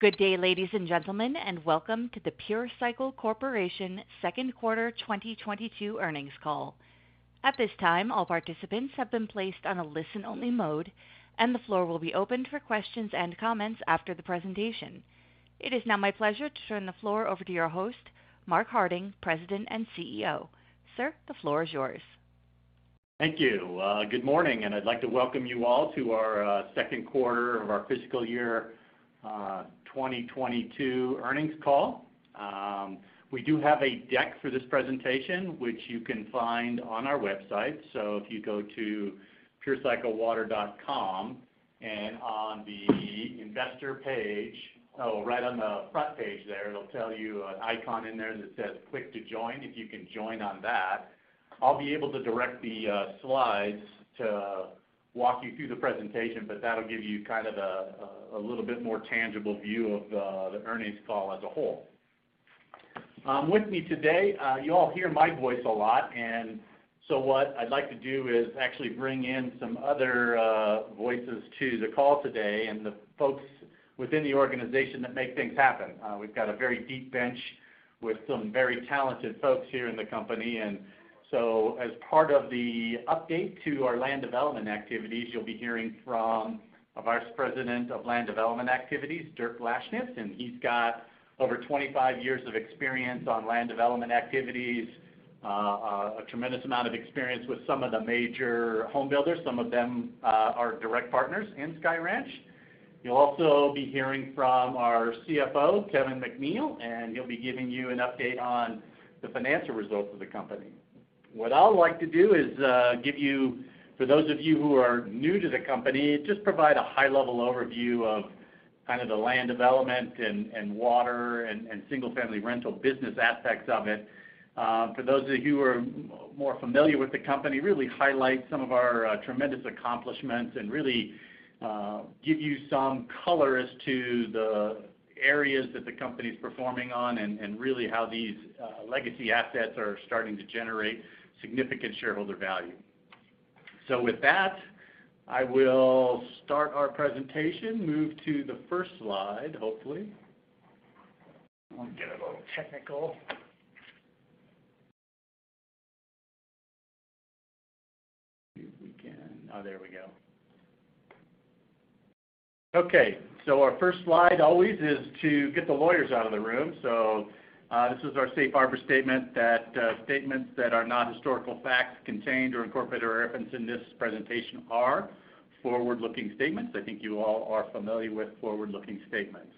Good day, ladies and gentlemen, and welcome to the Pure Cycle Corporation second quarter 2022 earnings call. At this time, all participants have been placed on a listen-only mode, and the floor will be opened for questions and comments after the presentation. It is now my pleasure to turn the floor over to your host, Mark Harding, President and CEO. Sir, the floor is yours. Thank you. Good morning, and I'd like to welcome you all to our second quarter of our fiscal year 2022 earnings call. We do have a deck for this presentation, which you can find on our website. If you go to purecyclewater.com and on the investor page, oh, right on the front page there's an icon in there that says Click to join. If you can join on that, I'll be able to direct the slides to walk you through the presentation, but that'll give you kind of a little bit more tangible view of the earnings call as a whole. With me today, you all hear my voice a lot. What I'd like to do is actually bring in some other voices to the call today and the folks within the organization that make things happen. We've got a very deep bench with some very talented folks here in the company. As part of the update to our land development activities, you'll be hearing from our Vice President of Land Development, Dirk Lashnits, and he's got over 25 years of experience on land development activities, a tremendous amount of experience with some of the major home builders. Some of them are direct partners in Sky Ranch. You'll also be hearing from our CFO, Kevin McNeill, and he'll be giving you an update on the financial results of the company. What I would like to do is give you, for those of you who are new to the company, just provide a high-level overview of kind of the land development and water and single-family rental business aspects of it. For those of you who are more familiar with the company, really highlight some of our tremendous accomplishments and really give you some color as to the areas that the company's performing on and really how these legacy assets are starting to generate significant shareholder value. With that, I will start our presentation, move to the first slide, hopefully. I'm getting a little technical. See if we can. Oh, there we go. Okay, our first slide always is to get the lawyers out of the room. This is our safe harbor statement, that statements that are not historical facts contained, incorporated, or referenced in this presentation are forward-looking statements. I think you all are familiar with forward-looking statements.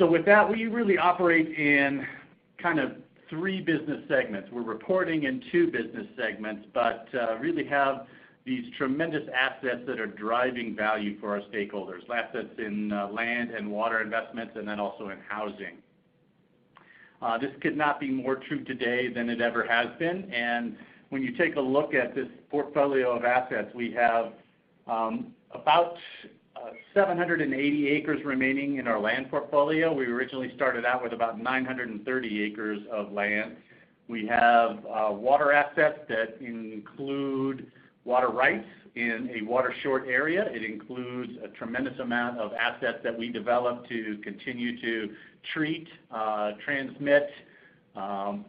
With that, we really operate in kind of three business segments. We're reporting in two business segments, but really have these tremendous assets that are driving value for our stakeholders, assets in land and water investments and then also in housing. This could not be more true today than it ever has been. When you take a look at this portfolio of assets, we have about 780 acres remaining in our land portfolio. We originally started out with about 930 acres of land. We have water assets that include water rights in a water-short area. It includes a tremendous amount of assets that we develop to continue to treat, transmit,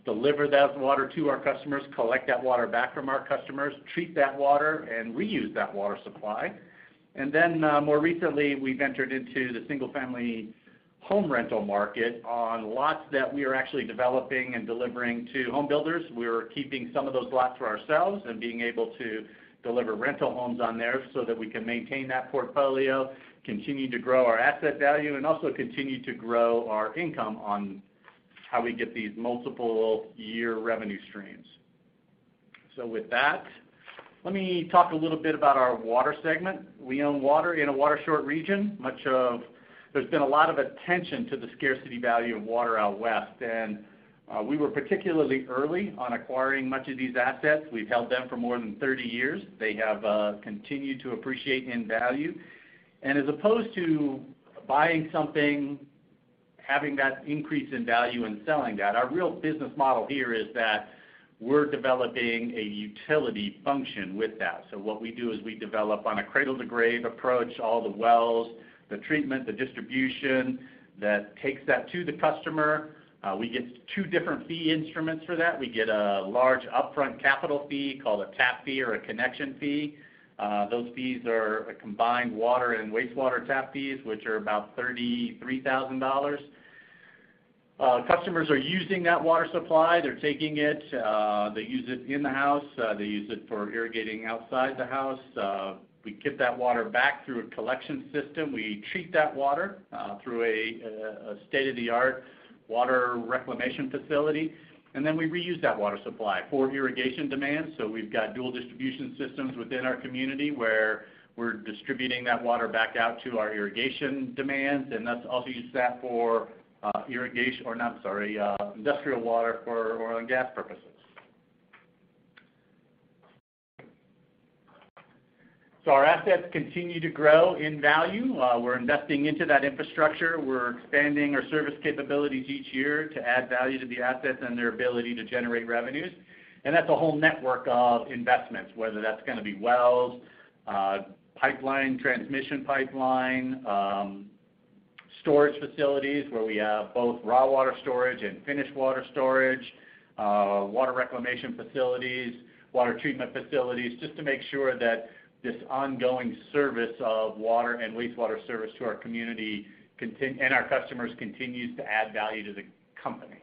deliver that water to our customers, collect that water back from our customers, treat that water, and reuse that water supply. More recently, we've entered into the single-family home rental market on lots that we are actually developing and delivering to home builders. We're keeping some of those lots for ourselves and being able to deliver rental homes on there so that we can maintain that portfolio, continue to grow our asset value, and also continue to grow our income on how we get these multiple year revenue streams. With that, let me talk a little bit about our water segment. We own water in a water-short region. There's been a lot of attention to the scarcity value of water out west, and we were particularly early on acquiring much of these assets. We've held them for more than 30 years. They have continued to appreciate in value. As opposed to buying something, having that increase in value and selling that, our real business model here is that we're developing a utility function with that. What we do is we develop on a cradle-to-grave approach, all the wells, the treatment, the distribution that takes that to the customer. We get two different fee instruments for that. We get a large upfront capital fee called a tap fee or a connection fee. Those fees are a combined water and wastewater tap fees, which are about $33,000. Customers are using that water supply. They're taking it. They use it in the house. They use it for irrigating outside the house. We get that water back through a collection system. We treat that water through a state-of-the-art water reclamation facility, and then we reuse that water supply for irrigation demands. We've got dual distribution systems within our community, where we're distributing that water back out to our irrigation demands, and that's also used for industrial water for oil and gas purposes. Our assets continue to grow in value. We're investing into that infrastructure. We're expanding our service capabilities each year to add value to the assets and their ability to generate revenues. That's a whole network of investments, whether that's gonna be wells, pipeline, transmission pipeline, storage facilities where we have both raw water storage and finished water storage, water reclamation facilities, water treatment facilities, just to make sure that this ongoing service of water and wastewater service to our community and our customers continues to add value to the company.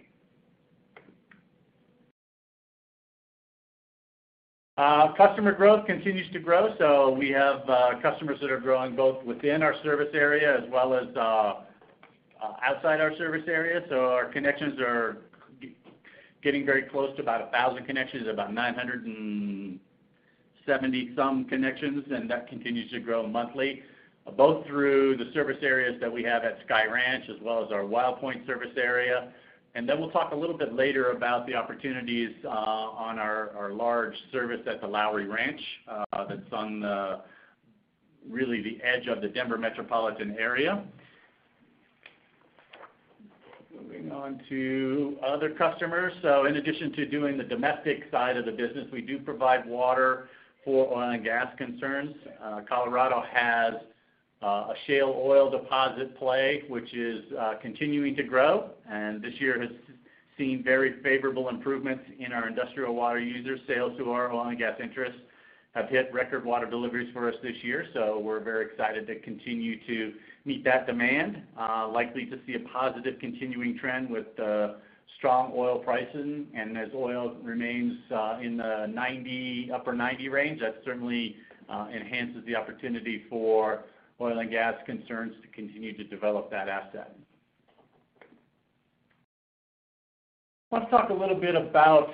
Customer growth continues to grow. We have customers that are growing both within our service area as well as outside our service area. Our connections are getting very close to about 1,000 connections, about 970-some connections, and that continues to grow monthly, both through the service areas that we have at Sky Ranch as well as our Wild Pointe service area. We'll talk a little bit later about the opportunities on our large service at the Lowry Ranch, that's really the edge of the Denver metropolitan area. Moving on to other customers. In addition to doing the domestic side of the business, we do provide water for oil and gas concerns. Colorado has a shale oil deposit play, which is continuing to grow, and this year has seen very favorable improvements in our industrial water users. Sales to our oil and gas interests have hit record water deliveries for us this year, we're very excited to continue to meet that demand. Likely to see a positive continuing trend with strong oil prices. As oil remains in the upper 90 range, that certainly enhances the opportunity for oil and gas concerns to continue to develop that asset. Let's talk a little bit about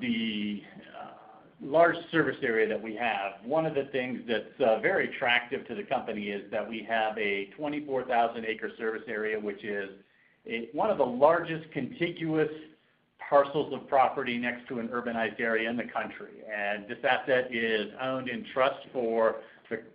the large service area that we have. One of the things that's very attractive to the company is that we have a 24,000-acre service area, which is one of the largest contiguous parcels of property next to an urbanized area in the country. This asset is owned in trust for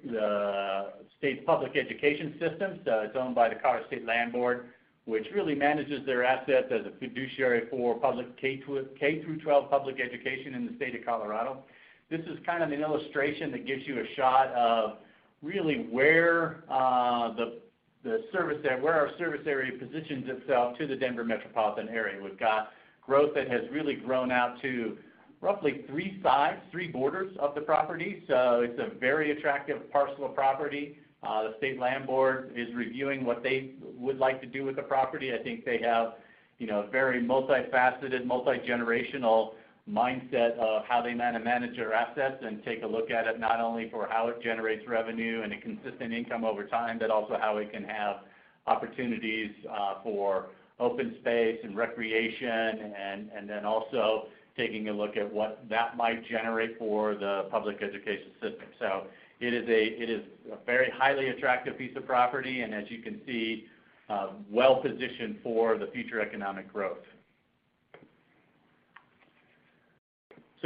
the state public education system. It's owned by the Colorado State Land Board, which really manages their assets as a fiduciary for public K through 12 public education in the state of Colorado. This is kind of an illustration that gives you a shot of really where our service area positions itself to the Denver metropolitan area. We've got growth that has really grown out to roughly three sides, three borders of the property. It's a very attractive parcel of property. The Colorado State Land Board is reviewing what they would like to do with the property. I think they have, you know, a very multifaceted, multigenerational mindset of how they manage their assets and take a look at it, not only for how it generates revenue and a consistent income over time, but also how it can have opportunities for open space and recreation and then also taking a look at what that might generate for the public education system. It is a very highly attractive piece of property, and as you can see, well-positioned for the future economic growth.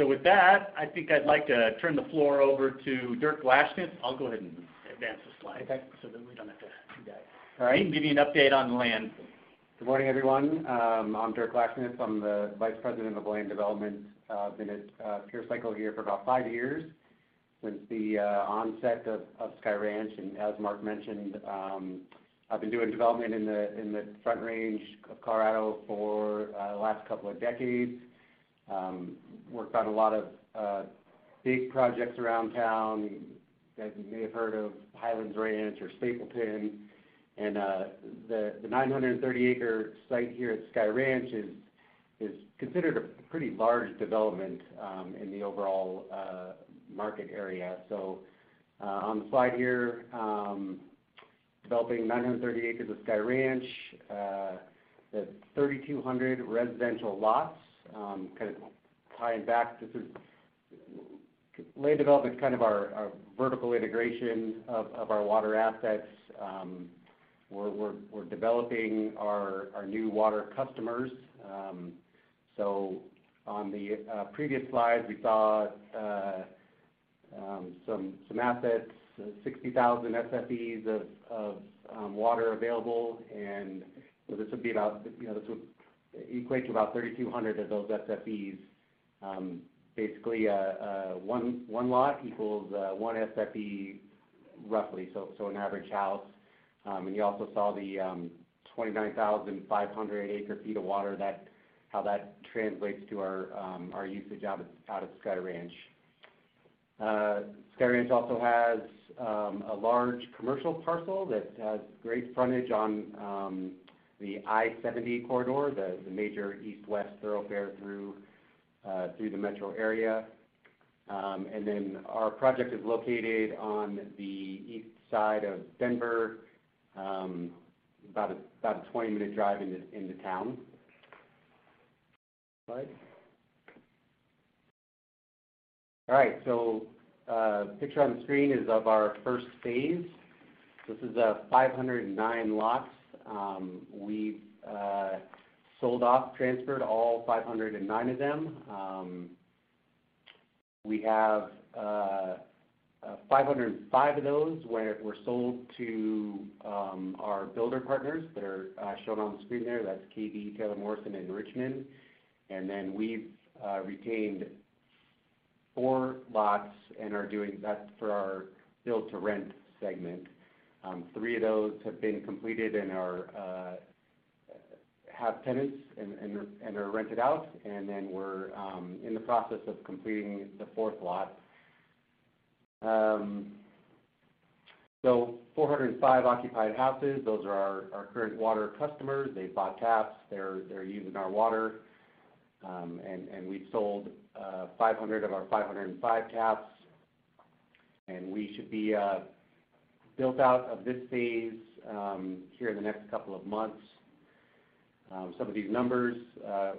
With that, I think I'd like to turn the floor over to Dirk Lashnits. I'll go ahead and advance the slide. Okay So that we don't have to do that. All right. He can give you an update on land. Good morning, everyone. I'm Dirk Lashnits. I'm the Vice President of Land Development. I've been at Pure Cycle here for about five years, since the onset of Sky Ranch. As Mark mentioned, I've been doing development in the Front Range of Colorado for the last couple of decades. Worked on a lot of big projects around town that you may have heard of, Highlands Ranch or Stapleton. The 930-acre site here at Sky Ranch is considered a pretty large development in the overall market area. On the slide here, developing 930 acres of Sky Ranch, the 3,200 residential lots, kind of tying back. This is land development is kind of our vertical integration of our water assets. We're developing our new water customers. On the previous slide, we saw some assets, 60,000 SFDs of water available. Well, this would be about, you know, this would equate to about 3,200 of those SFDs. Basically, one lot equals one SFD, roughly, so an average house. You also saw the 29,500 acre feet of water that how that translates to our usage out at Sky Ranch. Sky Ranch also has a large commercial parcel that has great frontage on the I-70 corridor, the major east-west thoroughfare through the metro area. Our project is located on the east side of Denver, about a 20-minute drive into town. Right. All right, picture on the screen is of our first phase. This is 509 lots. We've sold off, transferred all 509 of them. We have 505 of those were sold to our builder partners that are shown on the screen there. That's KB, Taylor Morrison, and Richmond. We've retained four lots and are doing that for our build-to-rent segment. Three of those have been completed and have tenants and are rented out. We're in the process of completing the fourth lot. 405 occupied houses, those are our current water customers. They've bought taps. They're using our water. We've sold 500 of our 505 taps. We should be built out of this phase here in the next couple of months. Some of these numbers,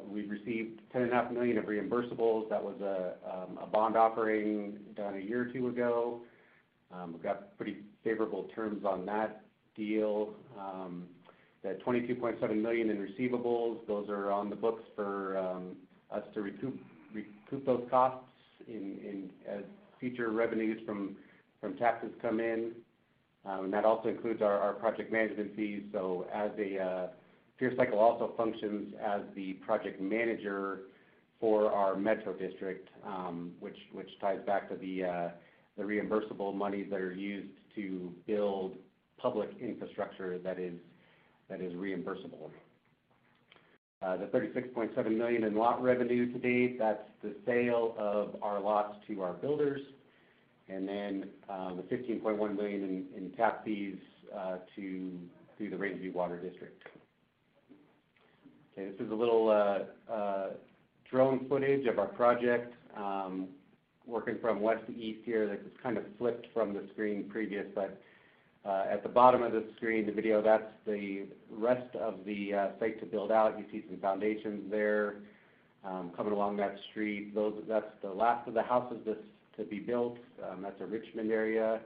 we've received $10.5 million of reimbursables. That was a bond offering done a year or two ago. We've got pretty favorable terms on that deal. That $22.7 million in receivables, those are on the books for us to recoup those costs in as future revenues from taxes come in. That also includes our project management fees. As a... Pure Cycle also functions as the project manager for our metro district, which ties back to the reimbursable monies that are used to build public infrastructure that is reimbursable. The $36.7 million in lot revenue to date, that's the sale of our lots to our builders. The $15.1 million in tap fees through the Rangeview Metropolitan District. Okay, this is a little drone footage of our project, working from west to east here. This is kind of flipped from the screen previous, but at the bottom of the screen, the video, that's the rest of the site to build out. You see some foundations there, coming along that street. That's the last of the houses to be built. That's the Richmond area.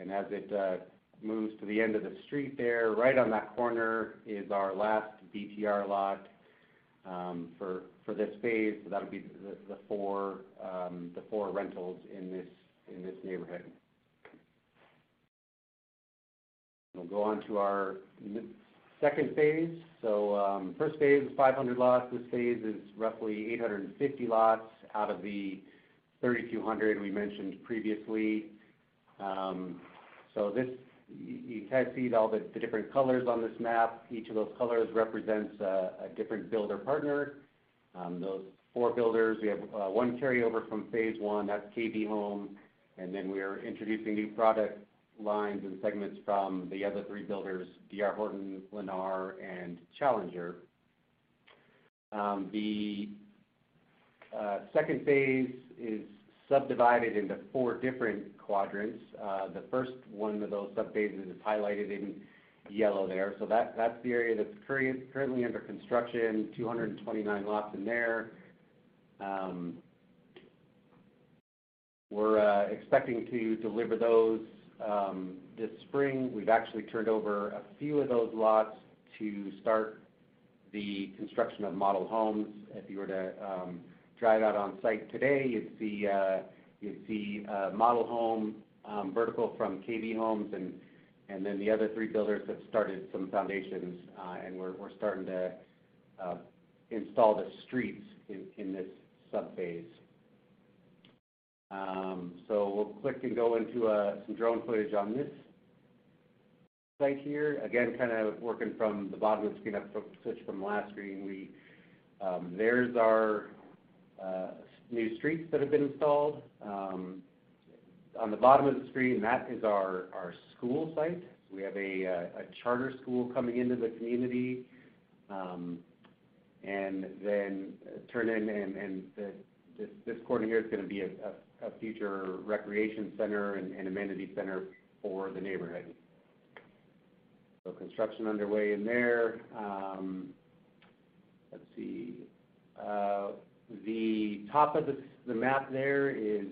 As it moves to the end of the street there, right on that corner is our last BTR lot for this phase. That'll be the four rentals in this neighborhood. We'll go on to our second phase. First phase was 500 lots. This phase is roughly 850 lots out of the 3,200 we mentioned previously. You kind of see all the different colors on this map. Each of those colors represents a different builder partner. Those four builders, we have one carryover from phase one, that's KB Home. Then we're introducing new product lines and segments from the other three builders, D.R. Horton, Lennar, and Challenger. The second phase is subdivided into four different quadrants. The first one of those subphases is highlighted in yellow there. That's the area that's currently under construction, 229 lots in there. We're expecting to deliver those this spring. We've actually turned over a few of those lots to start the construction of model homes. If you were to drive out on site today, you'd see a model home vertical from KB Home, and then the other three builders have started some foundations. We're starting to install the streets in this subphase. We'll click and go into some drone footage on this site here. Again, kind of working from the bottom of the screen up, switch from last screen. There's our new streets that have been installed. On the bottom of the screen, that is our school site. We have a charter school coming into the community. Turn in and this corner here is gonna be a future recreation center and amenities center for the neighborhood. Construction underway in there. The top of the map there is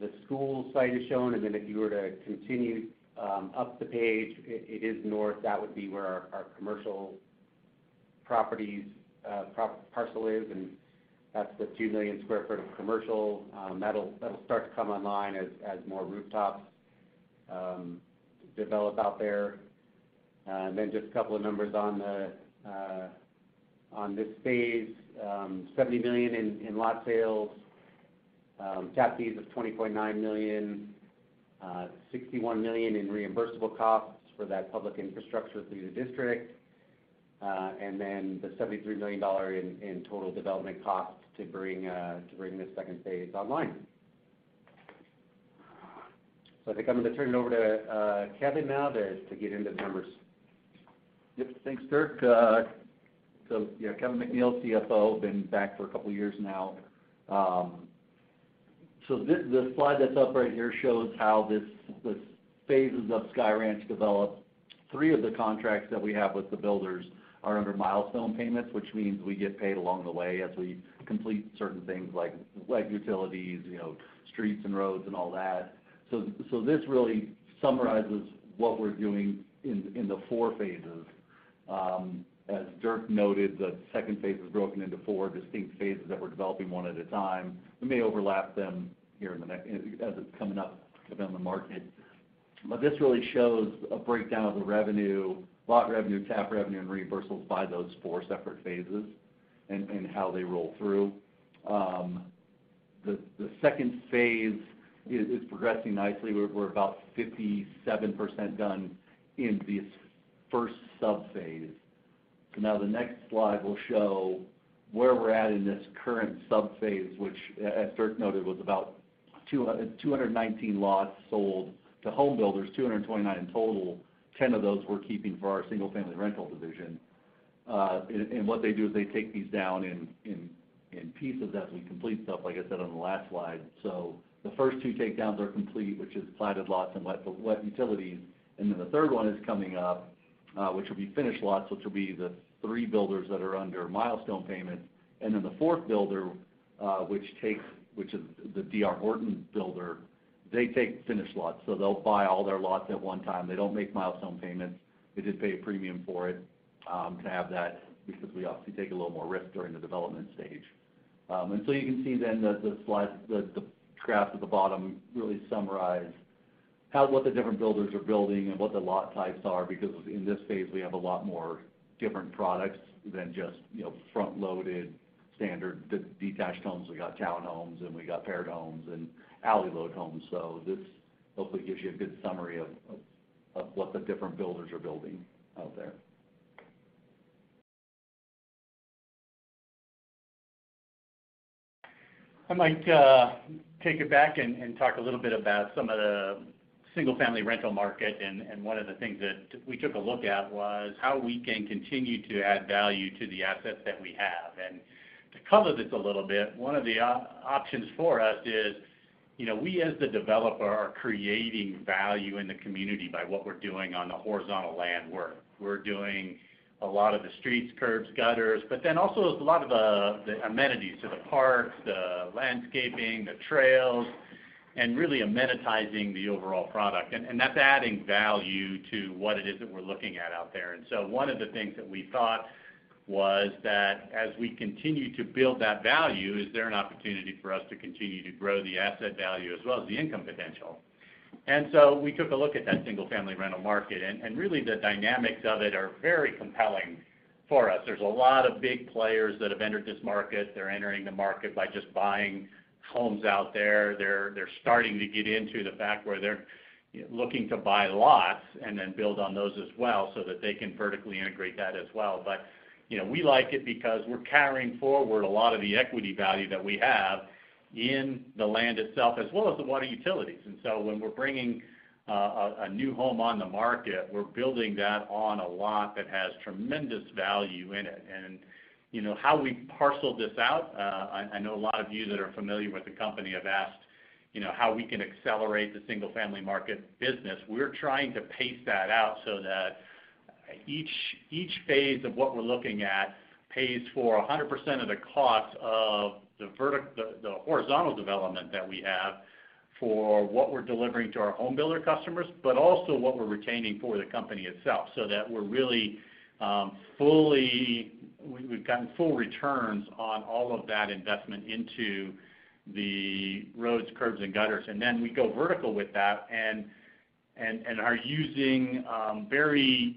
the school site is shown. If you were to continue up the page, it is north. That would be where our commercial properties parcel is, and that's the 2 million sq ft of commercial. That'll start to come online as more rooftops develop out there. Just a couple of numbers on this phase. $70 million in lot sales, $20.9 million in tap fees, $61 million in reimbursable costs for that public infrastructure through the district, and then $73 million in total development costs to bring this second phase online. I think I'm gonna turn it over to Kevin now to get into the numbers. Yep. Thanks, Dirk. Yeah, Kevin McNeill, CFO. Been back for a couple years now. The slide that's up right here shows how this, the phases of Sky Ranch develop. Three of the contracts that we have with the builders are under milestone payments, which means we get paid along the way as we complete certain things like utilities, you know, streets and roads and all that. This really summarizes what we're doing in the four phases. As Dirk noted, the second phase is broken into four distinct phases that we're developing one at a time. We may overlap them here as it's coming up, coming on the market. This really shows a breakdown of the revenue, lot revenue, TAP revenue, and reversals by those four separate phases and how they roll through. The second phase is progressing nicely. We're about 57% done in the first sub-phase. Now the next slide will show where we're at in this current sub-phase, which, as Dirk noted, was about 219 lots sold to home builders, 229 in total. 10 of those we're keeping for our single-family rental division. What they do is they take these down in pieces as we complete stuff, like I said on the last slide. The first two takedowns are complete, which is platted lots and wet utilities. Then the third one is coming up, which will be finished lots, which will be the three builders that are under milestone payment. Then the fourth builder, which takes. Which is the D.R. Horton builder, they take finished lots. They'll buy all their lots at one time. They don't make milestone payments. They just pay a premium for it to have that because we obviously take a little more risk during the development stage. You can see then that the slide, the graph at the bottom really summarize what the different builders are building and what the lot types are, because in this phase, we have a lot more different products than just, you know, front-loaded standard detached homes. We got townhomes, and we got paired homes and alley load homes. This hopefully gives you a good summary of what the different builders are building out there. I might take it back and talk a little bit about some of the single-family rental market. One of the things that we took a look at was how we can continue to add value to the assets that we have. To color this a little bit, one of the options for us is, you know, we, as the developer, are creating value in the community by what we're doing on the horizontal land work. We're doing a lot of the streets, curbs, gutters, but then also a lot of the amenities, so the parks, the landscaping, the trails, and really amenitizing the overall product. That's adding value to what it is that we're looking at out there. One of the things that we thought was that as we continue to build that value, is there an opportunity for us to continue to grow the asset value as well as the income potential? We took a look at that single-family rental market, and really the dynamics of it are very compelling for us. There's a lot of big players that have entered this market. They're entering the market by just buying homes out there. They're starting to get into the act where they're, you know, looking to buy lots and then build on those as well, so that they can vertically integrate that as well. You know, we like it because we're carrying forward a lot of the equity value that we have in the land itself as well as the water utilities. When we're bringing a new home on the market, we're building that on a lot that has tremendous value in it. You know, how we parcel this out, I know a lot of you that are familiar with the company have asked, you know, how we can accelerate the single-family market business. We're trying to pace that out so that each phase of what we're looking at pays for 100% of the cost of the horizontal development that we have for what we're delivering to our home builder customers, but also what we're retaining for the company itself, so that we're really fully. We've gotten full returns on all of that investment into the roads, curbs, and gutters. Then we go vertical with that and are using very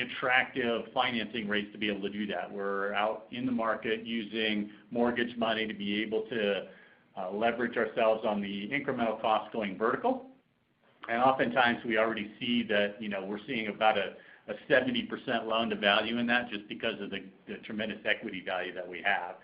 attractive financing rates to be able to do that. We're out in the market using mortgage money to be able to leverage ourselves on the incremental cost going vertical. Oftentimes, we already see that, you know, we're seeing about a 70% loan-to-value in that just because of the tremendous equity value that we have.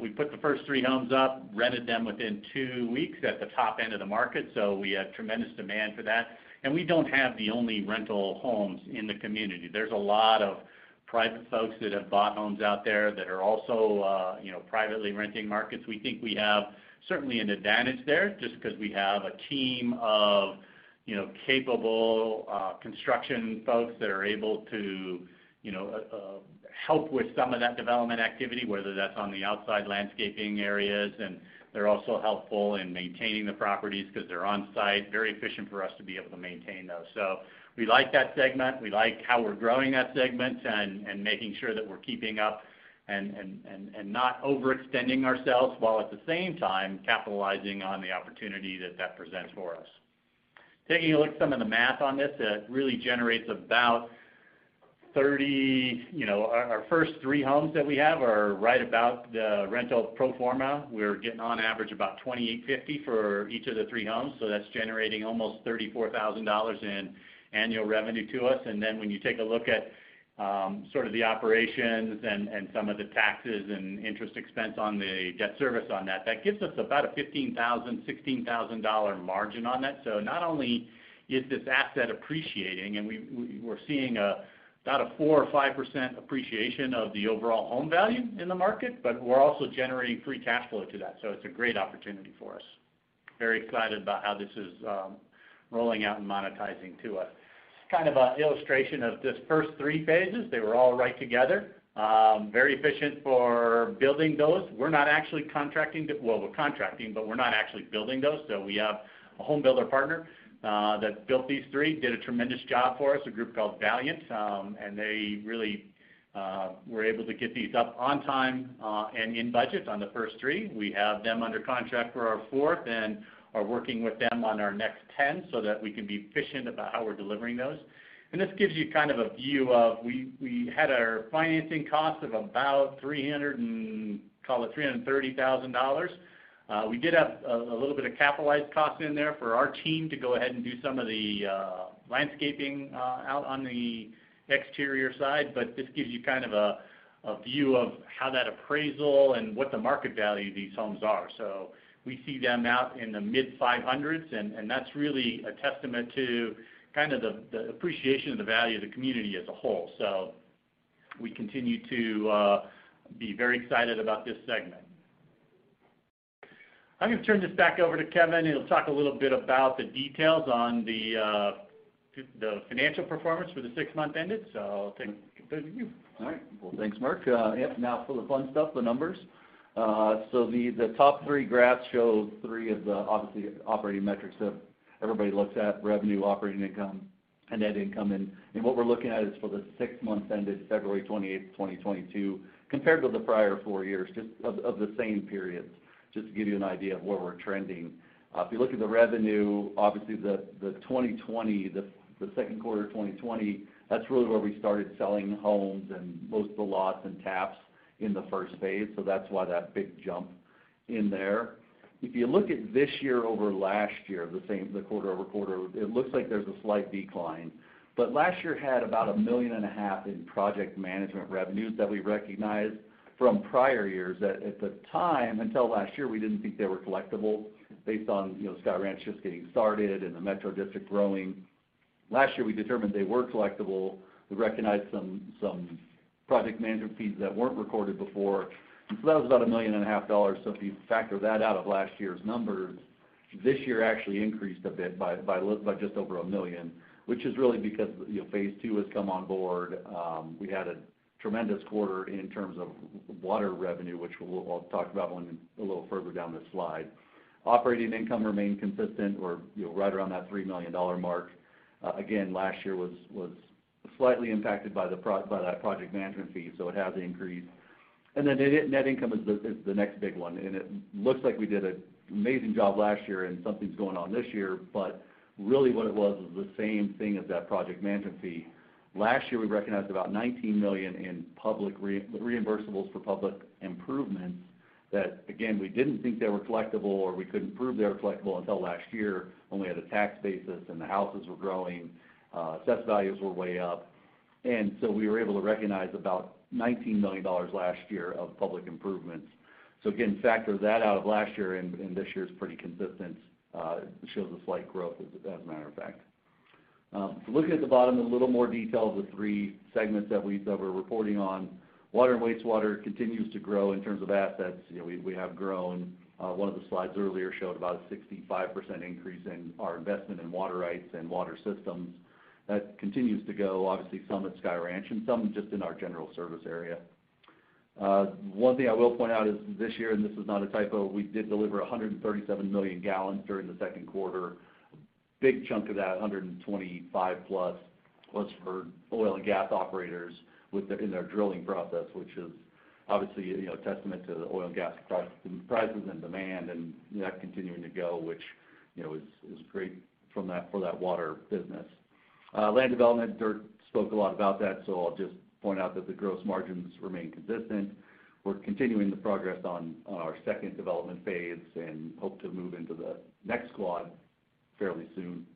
We put the first 3 homes up, rented them within 2 weeks at the top end of the market, so we have tremendous demand for that. We don't have the only rental homes in the community. There's a lot of private folks that have bought homes out there that are also, you know, privately renting markets. We think we have certainly an advantage there just 'cause we have a team of, you know, capable, construction folks that are able to, you know, help with some of that development activity, whether that's on the outside landscaping areas. They're also helpful in maintaining the properties 'cause they're on site, very efficient for us to be able to maintain those. We like that segment. We like how we're growing that segment and not overextending ourselves, while at the same time capitalizing on the opportunity that that presents for us. Taking a look at some of the math on this, that really generates about 30. You know, our first three homes that we have are right about the rental pro forma. We're getting on average about $2,850 for each of the 3 homes, so that's generating almost $34,000 in annual revenue to us. When you take a look at sort of the operations and some of the taxes and interest expense on the debt service on that gives us about a $15,000-$16,000 margin on that. Not only is this asset appreciating, and we're seeing about a 4%-5% appreciation of the overall home value in the market, but we're also generating free cash flow to that. It's a great opportunity for us. Very excited about how this is rolling out and monetizing to us. Kind of a illustration of this first 3 phases. They were all right together. Very efficient for building those. We're contracting, but we're not actually building those. We have a home builder partner that built these three, did a tremendous job for us, a group called Valiant. They really were able to get these up on time and in budget on the first three. We have them under contract for our fourth and are working with them on our next 10 so that we can be efficient about how we're delivering those. This gives you kind of a view of we had our financing cost of about $300 and call it $330,000. We did have a little bit of capitalized cost in there for our team to go ahead and do some of the landscaping out on the exterior side. This gives you kind of a view of how that appraisal and what the market value of these homes are. We see them out in the mid-500s, and that's really a testament to kind of the appreciation of the value of the community as a whole. We continue to be very excited about this segment. I'm gonna turn this back over to Kevin, and he'll talk a little bit about the details on the financial performance for the six-month ended. I'll turn it over to you. All right. Well, thanks, Mark. Yep, now for the fun stuff, the numbers. So the top three graphs show three of the obviously operating metrics that everybody looks at, revenue, operating income, and net income. What we're looking at is for the six months ended February 28, 2022, compared with the prior four years just of the same periods, just to give you an idea of where we're trending. If you look at the revenue, obviously the 2020, the second quarter 2020, that's really where we started selling homes and most of the lots and taps in the first phase, so that's why that big jump in there. If you look at this year over last year, the quarter-over-quarter, it looks like there's a slight decline. Last year had about $1.5 million in project management revenues that we recognized from prior years that at the time, until last year, we didn't think they were collectible based on, you know, Sky Ranch just getting started and the metro district growing. Last year, we determined they were collectible. We recognized some project management fees that weren't recorded before. That was about $1.5 million. If you factor that out of last year's numbers, this year actually increased a bit by just over $1 million, which is really because, you know, phase two has come on board. We had a tremendous quarter in terms of water revenue, which I'll talk about a little further down the slide. Operating income remained consistent or, you know, right around that $3 million mark. Again, last year was slightly impacted by that project management fee, so it has increased. Net income is the next big one. It looks like we did an amazing job last year, and something's going on this year. Really what it was was the same thing as that project management fee. Last year, we recognized about $19 million in public reimbursables for public improvements that, again, we didn't think they were collectible, or we couldn't prove they were collectible until last year when we had a tax basis, and the houses were growing, assessed values were way up. We were able to recognize about $19 million last year of public improvements. Again, factor that out of last year, and this year's pretty consistent. It shows a slight growth as a matter of fact. Looking at the bottom in a little more detail, the three segments that we're reporting on. Water and wastewater continues to grow in terms of assets. You know, we have grown. One of the slides earlier showed about a 65% increase in our investment in water rights and water systems. That continues to go, obviously, some at Sky Ranch and some just in our general service area. One thing I will point out is this year, and this is not a typo, we did deliver 137 million gallons during the second quarter. Big chunk of that, 125+, was for oil and gas operators with their drilling process, which is obviously, you know, a testament to the oil and gas prices and demand and that continuing to go, which, you know, is great for that water business. Land development, Dirk spoke a lot about that, so I'll just point out that the gross margins remain consistent. We're continuing the progress on our second development phase and hope to move into the next quad fairly soon.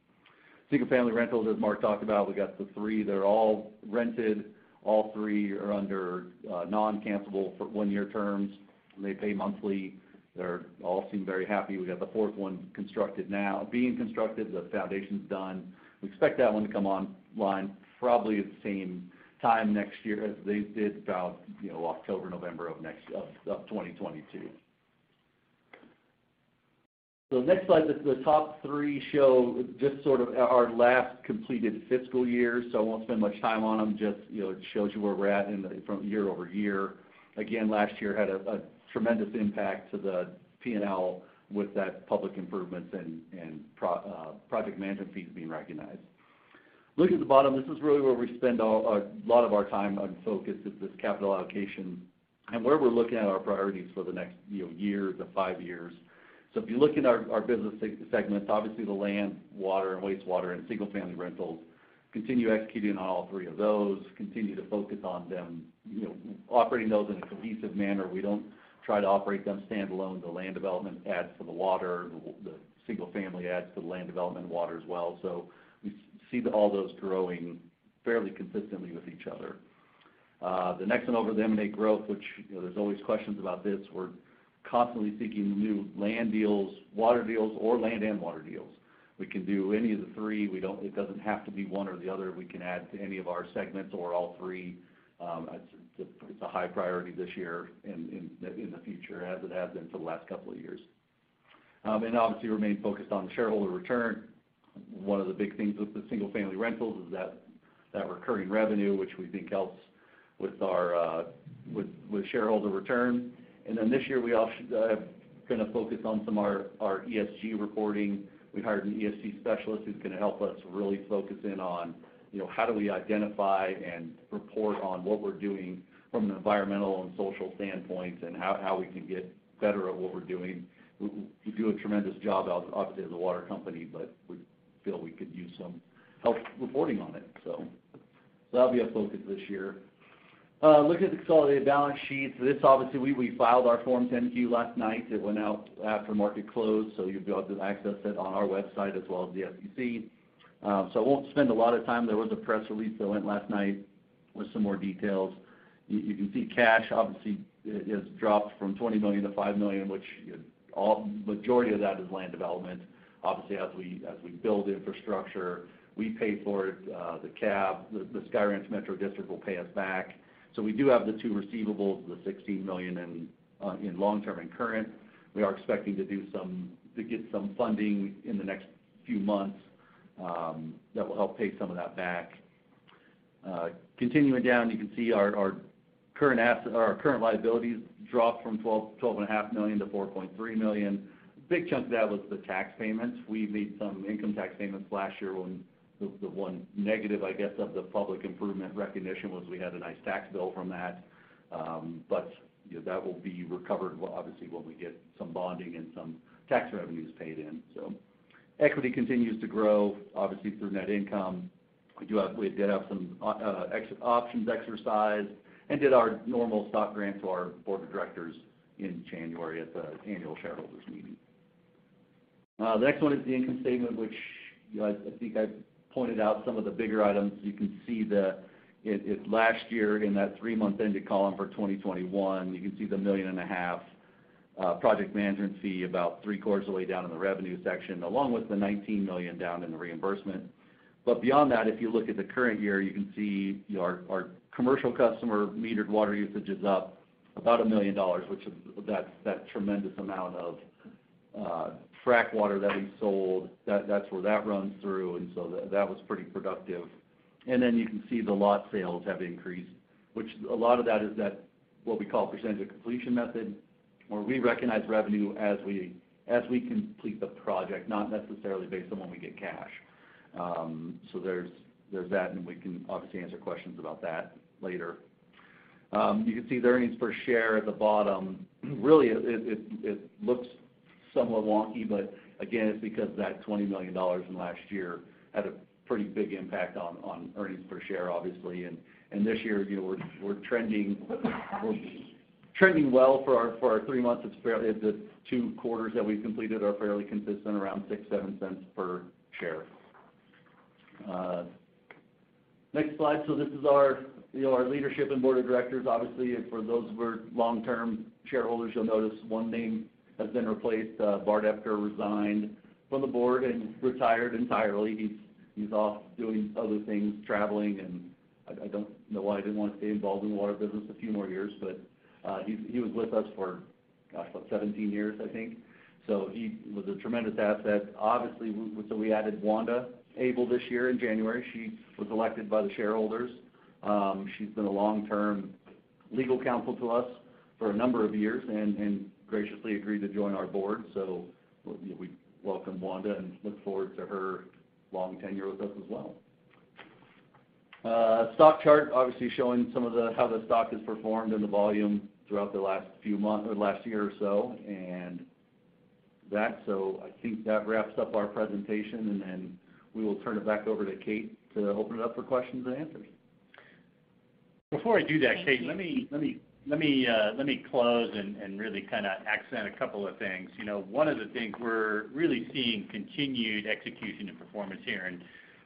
Single-family rentals, as Mark talked about, we got the three. They're all rented. All three are under non-cancellable one-year terms, and they pay monthly. They all seem very happy. We got the fourth one being constructed now. The foundation's done. We expect that one to come online probably at the same time next year as these did, about, you know, October, November of 2022. Next slide, the top three show just sort of our last completed fiscal year, so I won't spend much time on them. You know, it shows you where we're at from year-over-year. Again, last year had a tremendous impact to the P&L with that public improvements and project management fees being recognized. Looking at the bottom, this is really where we spend a lot of our time and focus is this capital allocation and where we're looking at our priorities for the next, you know, year to five years. If you look in our business segments, obviously the land, water, and wastewater, and single-family rentals, continue executing on all three of those, continue to focus on them, you know, operating those in a cohesive manner. We don't try to operate them standalone. The land development adds to the water. The single-family adds to the land development and water as well. We see all those growing fairly consistently with each other. The next one over, the M&A growth, which, you know, there's always questions about this. We're constantly seeking new land deals, water deals, or land and water deals. We can do any of the three. It doesn't have to be one or the other. We can add to any of our segments or all three. It's a high priority this year and in the future, as it has been for the last couple of years. Obviously remain focused on shareholder return. One of the big things with the single-family rentals is that recurring revenue, which we think helps with our shareholder return. Then this year, we also gonna focus on some of our ESG reporting. We hired an ESG specialist who's gonna help us really focus in on, you know, how do we identify and report on what we're doing from an environmental and social standpoint, and how we can get better at what we're doing. We do a tremendous job obviously as a water company, but we feel we could use some help reporting on it. That'll be a focus this year. Looking at the consolidated balance sheets. This, obviously, we filed our Form 10-Q last night. It went out after market close, so you'll be able to access it on our website as well as the SEC. I won't spend a lot of time. There was a press release that went last night with some more details. You can see cash, obviously, it has dropped from $20 million to $5 million, which majority of that is land development. Obviously, as we build infrastructure, we pay for it, the CAB, the Sky Ranch Metropolitan District will pay us back. We do have the two receivables, the $16 million in long-term and current. We are expecting to get some funding in the next few months, that will help pay some of that back. Continuing down, you can see our current assets. Our current liabilities dropped from $12.5 million to $4.3 million. A big chunk of that was the tax payments. We made some income tax payments last year when the one negative, I guess, of the public improvement recognition was we had a nice tax bill from that. But, you know, that will be recovered, well, obviously, when we get some bonding and some tax revenues paid in, so. Equity continues to grow, obviously, through net income. We did have some options exercised and did our normal stock grant to our board of directors in January at the annual shareholders meeting. The next one is the income statement, which, you know, I think I've pointed out some of the bigger items. You can see last year in that three-month ending column for 2021, you can see the $1.5 million project management fee about three-quarters of the way down in the revenue section, along with the $19 million down in the reimbursement. Beyond that, if you look at the current year, you can see, you know, our commercial customer metered water usage is up about $1 million, which is that tremendous amount of frack water that we sold, that's where that runs through. That was pretty productive. You can see the lot sales have increased, which a lot of that is that what we call percentage of completion method, where we recognize revenue as we complete the project, not necessarily based on when we get cash. There's that, and we can obviously answer questions about that later. You can see the earnings per share at the bottom. Really, it looks somewhat wonky, but again, it's because that $20 million in last year had a pretty big impact on earnings per share, obviously. This year, you know, we're trending well for our three months. The two quarters that we've completed are fairly consistent, around 6-7 cents per share. Next slide. This is our leadership and board of directors. Obviously, for those who are long-term shareholders, you'll notice one name has been replaced. Bart Epker resigned from the board and retired entirely. He's off doing other things, traveling, and I don't know why he didn't want to stay involved in the water business a few more years, but he was with us for, gosh, what, 17 years, I think. He was a tremendous asset. Obviously, we added Wanda Abel this year in January. She was elected by the shareholders. She's been a long-term legal counsel to us for a number of years and graciously agreed to join our board. We welcome Wanda and look forward to her long tenure with us as well. Stock chart, obviously, showing how the stock has performed and the volume throughout the last few months or last year or so and that. I think that wraps up our presentation, and then we will turn it back over to Kate to open it up for questions and answers. Before I do that, Kate, let me close and really kinda accent a couple of things. You know, one of the things we're really seeing continued execution and performance here, and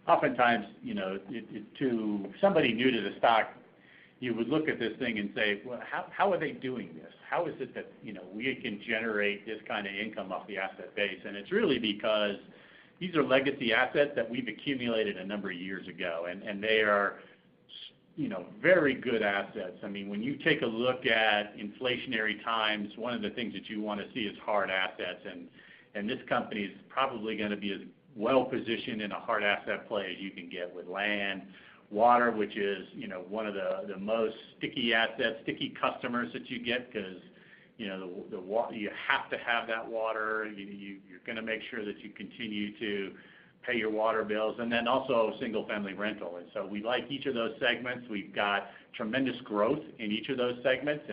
oftentimes, you know, it to somebody new to the stock, you would look at this thing and say, "Well, how are they doing this? How is it that, you know, we can generate this kind of income off the asset base?" It's really because these are legacy assets that we've accumulated a number of years ago, and they are, you know, very good assets. I mean, when you take a look at inflationary times, one of the things that you wanna see is hard assets. This company is probably gonna be as well-positioned in a hard asset play as you can get with land, water, which is, you know, one of the most sticky assets, sticky customers that you get because, you know, the water. You have to have that water. You're gonna make sure that you continue to pay your water bills. Then also single-family rental. We like each of those segments. We've got tremendous growth in each of those segments.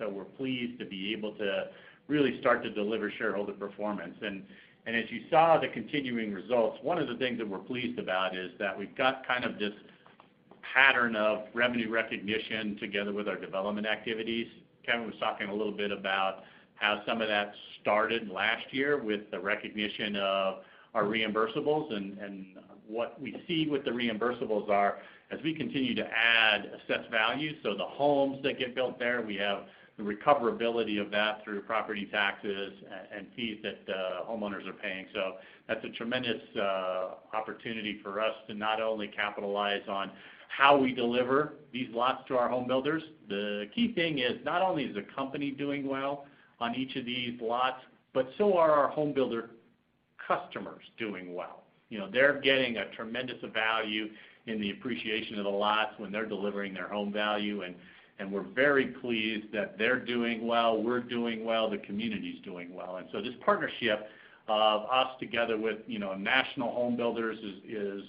We're pleased to be able to really start to deliver shareholder performance. As you saw the continuing results, one of the things that we're pleased about is that we've got kind of this pattern of revenue recognition together with our development activities. Kevin was talking a little bit about how some of that started last year with the recognition of our reimbursables. What we see with the reimbursables are as we continue to add assessed value, so the homes that get built there, we have the recoverability of that through property taxes and fees that homeowners are paying. That's a tremendous opportunity for us to not only capitalize on how we deliver these lots to our homebuilders. The key thing is not only is the company doing well on each of these lots, but so are our homebuilder customers doing well. You know, they're getting a tremendous value in the appreciation of the lots when they're delivering their home value, and we're very pleased that they're doing well, we're doing well, the community's doing well. This partnership of us together with, you know, national home builders is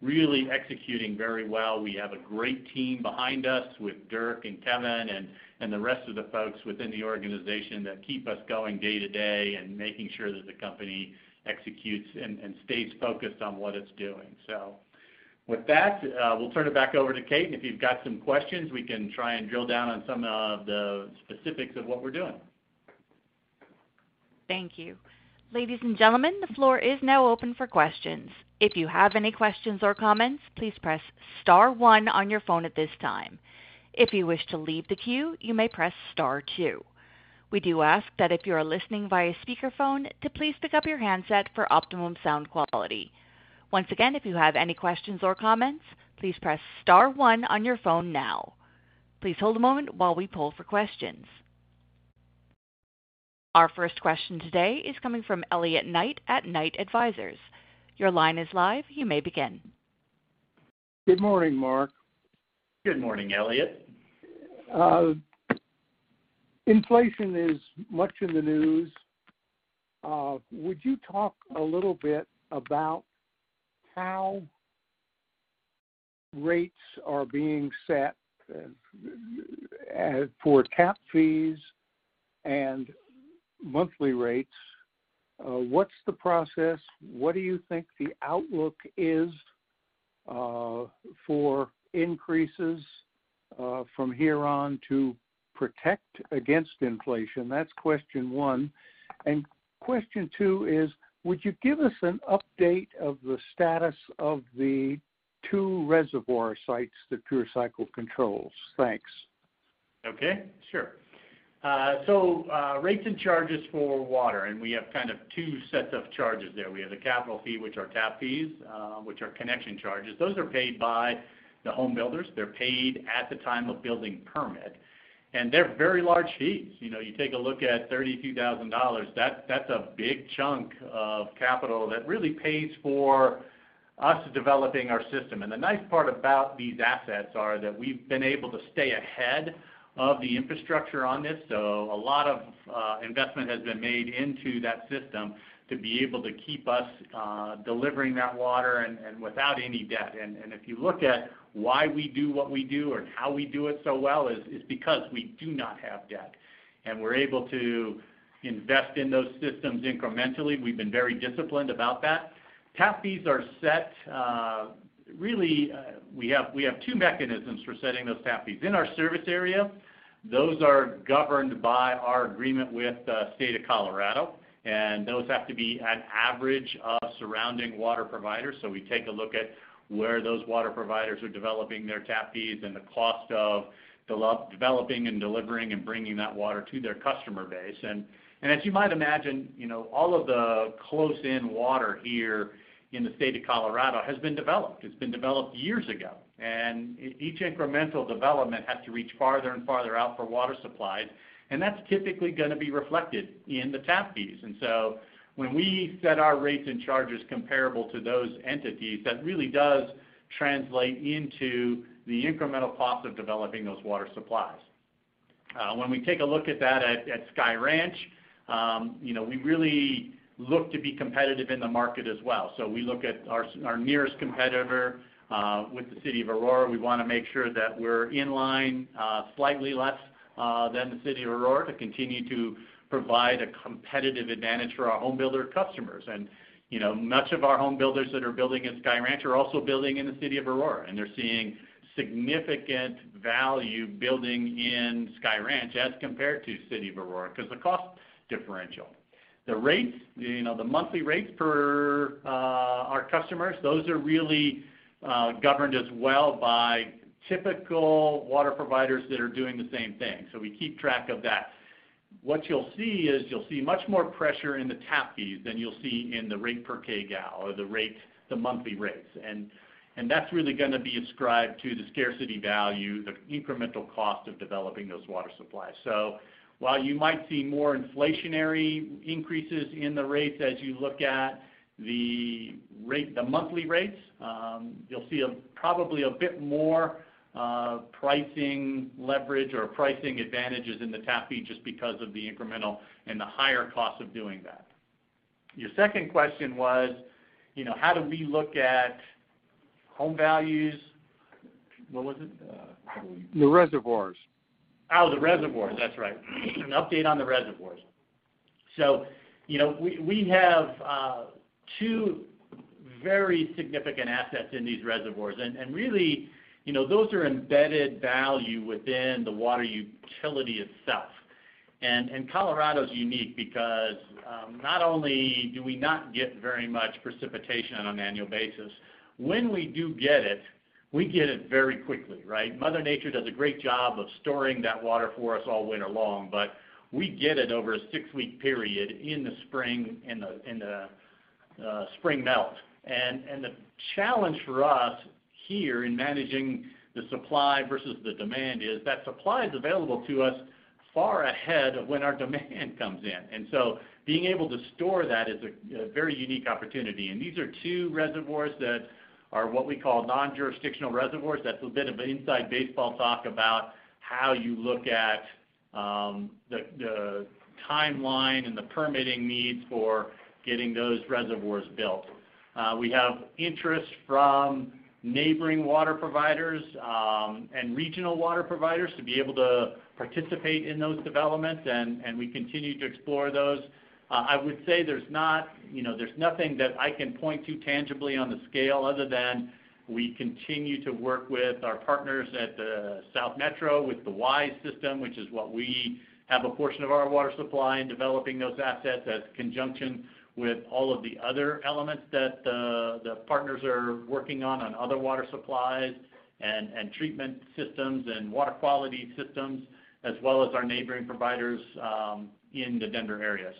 really executing very well. We have a great team behind us with Dirk and Kevin and the rest of the folks within the organization that keep us going day to day and making sure that the company executes and stays focused on what it's doing. With that, we'll turn it back over to Kate, and if you've got some questions, we can try and drill down on some of the specifics of what we're doing. Thank you. Ladies and gentlemen, the floor is now open for questions. If you have any questions or comments, please press star one on your phone at this time. If you wish to leave the queue, you may press star two. We do ask that if you are listening via speakerphone, to please pick up your handset for optimum sound quality. Once again, if you have any questions or comments, please press star one on your phone now. Please hold a moment while we poll for questions. Our first question today is coming from Elliot Knight at Knight Advisors. Your line is live. You may begin. Good morning, Mark. Good morning, Elliot. Inflation is much in the news. Would you talk a little bit about how rates are being set, for tap fees and monthly rates? What's the process? What do you think the outlook is, for increases, from here on to protect against inflation? That's question one. Question two is, would you give us an update of the status of the two reservoir sites that Pure Cycle controls? Thanks. Okay, sure. Rates and charges for water, and we have kind of two sets of charges there. We have the capital fee, which are tap fees, which are connection charges. Those are paid by the home builders. They're paid at the time of building permit, and they're very large fees. You know, you take a look at $32,000, that's a big chunk of capital that really pays for us developing our system. The nice part about these assets are that we've been able to stay ahead of the infrastructure on this. A lot of investment has been made into that system to be able to keep us delivering that water and without any debt. If you look at why we do what we do or how we do it so well is because we do not have debt, and we're able to invest in those systems incrementally. We've been very disciplined about that. Tap fees are set really, we have two mechanisms for setting those tap fees. In our service area, those are governed by our agreement with the State of Colorado, and those have to be an average of surrounding water providers. So we take a look at where those water providers are developing their tap fees and the cost of developing and delivering and bringing that water to their customer base. As you might imagine, you know, all of the close in water here in the State of Colorado has been developed. It's been developed years ago, and each incremental development has to reach farther and farther out for water supplies, and that's typically gonna be reflected in the tap fees. When we set our rates and charges comparable to those entities, that really does translate into the incremental cost of developing those water supplies. When we take a look at that at Sky Ranch, you know, we really look to be competitive in the market as well. We look at our nearest competitor with the City of Aurora. We wanna make sure that we're in line, slightly less than the City of Aurora to continue to provide a competitive advantage for our home builder customers. You know, much of our home builders that are building in Sky Ranch are also building in the City of Aurora, and they're seeing significant value building in Sky Ranch as compared to City of Aurora, 'cause the cost differential. The rates, you know, the monthly rates for our customers, those are really governed as well by typical water providers that are doing the same thing. We keep track of that. What you'll see is you'll see much more pressure in the tap fees than you'll see in the rate per k gal or the rate, the monthly rates. That's really gonna be ascribed to the scarcity value, the incremental cost of developing those water supplies. While you might see more inflationary increases in the rates as you look at the rate, the monthly rates, you'll see probably a bit more pricing leverage or pricing advantages in the tap fee just because of the incremental and the higher cost of doing that. Your second question was, you know, how do we look at home values? What was it? The reservoirs. Oh, the reservoirs, that's right. An update on the reservoirs. You know, we have two very significant assets in these reservoirs. Really, you know, those are embedded value within the water utility itself. Colorado's unique because not only do we not get very much precipitation on an annual basis, when we do get it, we get it very quickly, right? Mother Nature does a great job of storing that water for us all winter long, but we get it over a six-week period in the spring melt. The challenge for us here in managing the supply versus the demand is that supply is available to us far ahead of when our demand comes in. Being able to store that is a very unique opportunity. These are two reservoirs that are what we call non-jurisdictional reservoirs. That's a bit of an inside baseball talk about how you look at the timeline and the permitting needs for getting those reservoirs built. We have interest from neighboring water providers and regional water providers to be able to participate in those developments, and we continue to explore those. I would say there's not, you know, there's nothing that I can point to tangibly on the scale other than we continue to work with our partners at the South Metro with the WISE system, which is what we have a portion of our water supply in developing those assets in conjunction with all of the other elements that the partners are working on other water supplies and treatment systems and water quality systems, as well as our neighboring providers in the Denver area.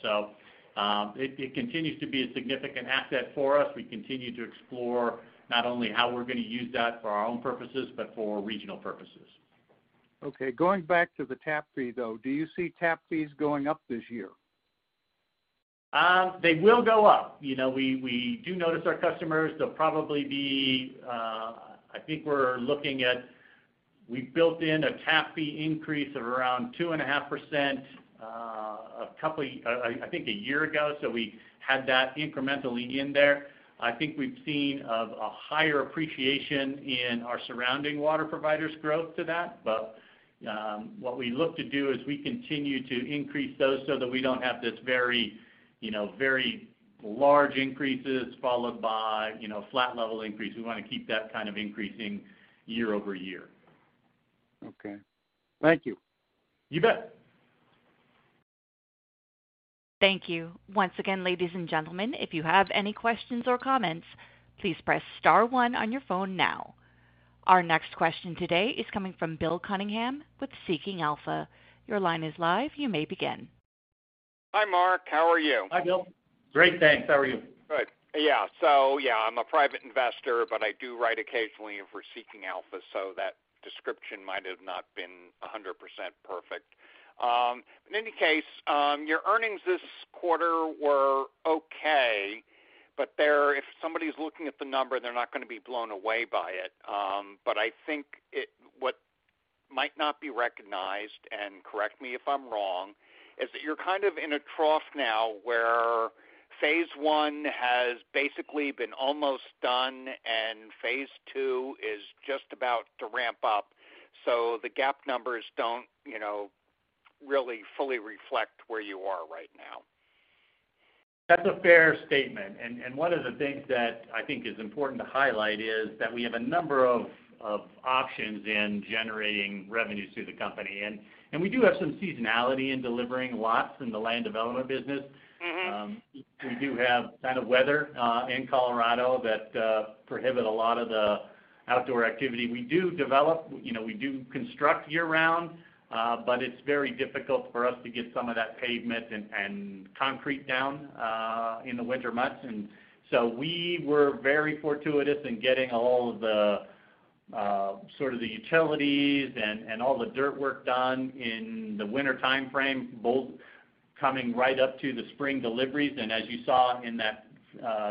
It continues to be a significant asset for us. We continue to explore not only how we're gonna use that for our own purposes but for regional purposes. Okay. Going back to the tap fee, though. Do you see tap fees going up this year? They will go up. You know, we do notice our customers. They'll probably be. I think we're looking at we've built in a tap fee increase of around 2.5%, a couple, I think a year ago. We had that incrementally in there. I think we've seen a higher appreciation in our surrounding water providers growth to that. What we look to do as we continue to increase those so that we don't have this very, you know, very large increases followed by, you know, flat level increase. We wanna keep that kind of increasing year-over-year. Okay. Thank you. You bet. Thank you. Once again, ladies and gentlemen, if you have any questions or comments, please press star one on your phone now. Our next question today is coming from Bill Cunningham with Seeking Alpha. Your line is live. You may begin. Hi, Mark. How are you? Hi, Bill. Great, thanks. How are you? Good. Yeah. I'm a private investor, but I do write occasionally for Seeking Alpha, so that description might have not been 100% perfect. In any case, your earnings this quarter were okay, but they're if somebody's looking at the number, they're not gonna be blown away by it. I think what might not be recognized, and correct me if I'm wrong, is that you're kind of in a trough now where phase one has basically been almost done and phase two is just about to ramp up. The GAAP numbers don't, you know, really fully reflect where you are right now. That's a fair statement. One of the things that I think is important to highlight is that we have a number of options in generating revenues to the company. We do have some seasonality in delivering lots in the land development business. Mm-hmm. We do have kind of weather in Colorado that prohibit a lot of the outdoor activity. We do develop, you know, we do construct year-round, but it's very difficult for us to get some of that pavement and concrete down in the winter months. We were very fortuitous in getting all of the sort of the utilities and all the dirt work done in the winter timeframe, both coming right up to the spring deliveries. As you saw in that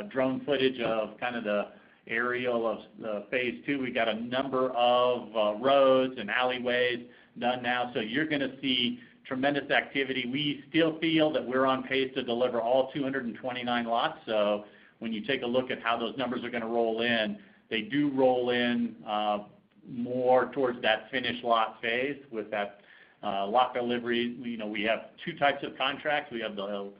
drone footage of kind of the aerial of the phase two, we got a number of roads and alleyways done now. You're gonna see tremendous activity. We still feel that we're on pace to deliver all 229 lots. When you take a look at how those numbers are gonna roll in, they do roll in more towards that finished lot phase with that lot delivery. You know, we have two types of contracts. We have the